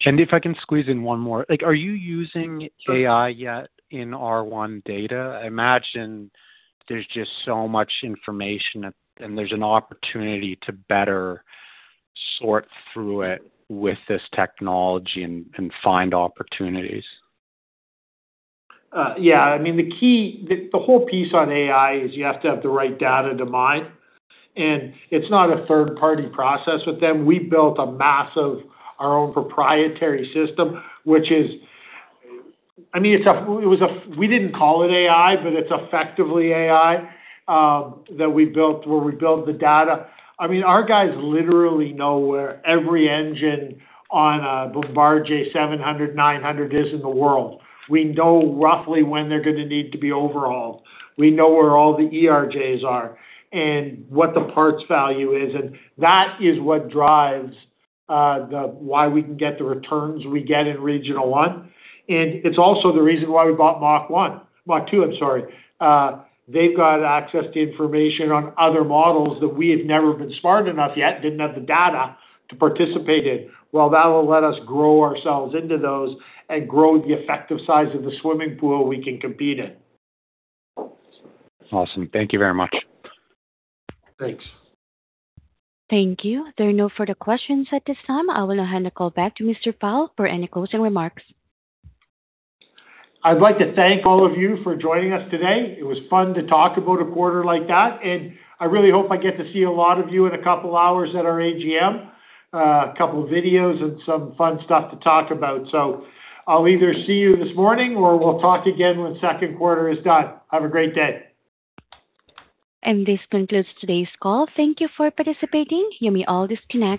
If I can squeeze in one more. Like, are you using AI yet in R1 data? I imagine there's just so much information at and there's an opportunity to better sort through it with this technology and find opportunities. Yeah. I mean, the whole piece on AI is you have to have the right data to mine, and it's not a third-party process with them. We built a massive, our own proprietary system, which is I mean, it was we didn't call it AI, but it's effectively AI that we built, where we build the data. I mean, our guys literally know where every engine on a Bombardier 700, 900 is in the world. We know roughly when they're gonna need to be overhauled. We know where all the ERJs are and what the parts value is, and that is what drives the why we can get the returns we get in Regional One. It's also the reason why we bought MACH 2, I'm sorry. They've got access to information on other models that we have never been smart enough yet, didn't have the data to participate in. Well, that'll let us grow ourselves into those and grow the effective size of the swimming pool we can compete in. Awesome. Thank you very much. Thanks. Thank you. There are no further questions at this time. I will now hand the call back to Mr. Pyle for any closing remarks. I'd like to thank all of you for joining us today. It was fun to talk about a quarter like that, and I really hope I get to see a lot of you in a couple hours at our AGM. A couple videos and some fun stuff to talk about. I'll either see you this morning or we'll talk again when second quarter is done. Have a great day. This concludes today's call. Thank you for participating. You may all disconnect.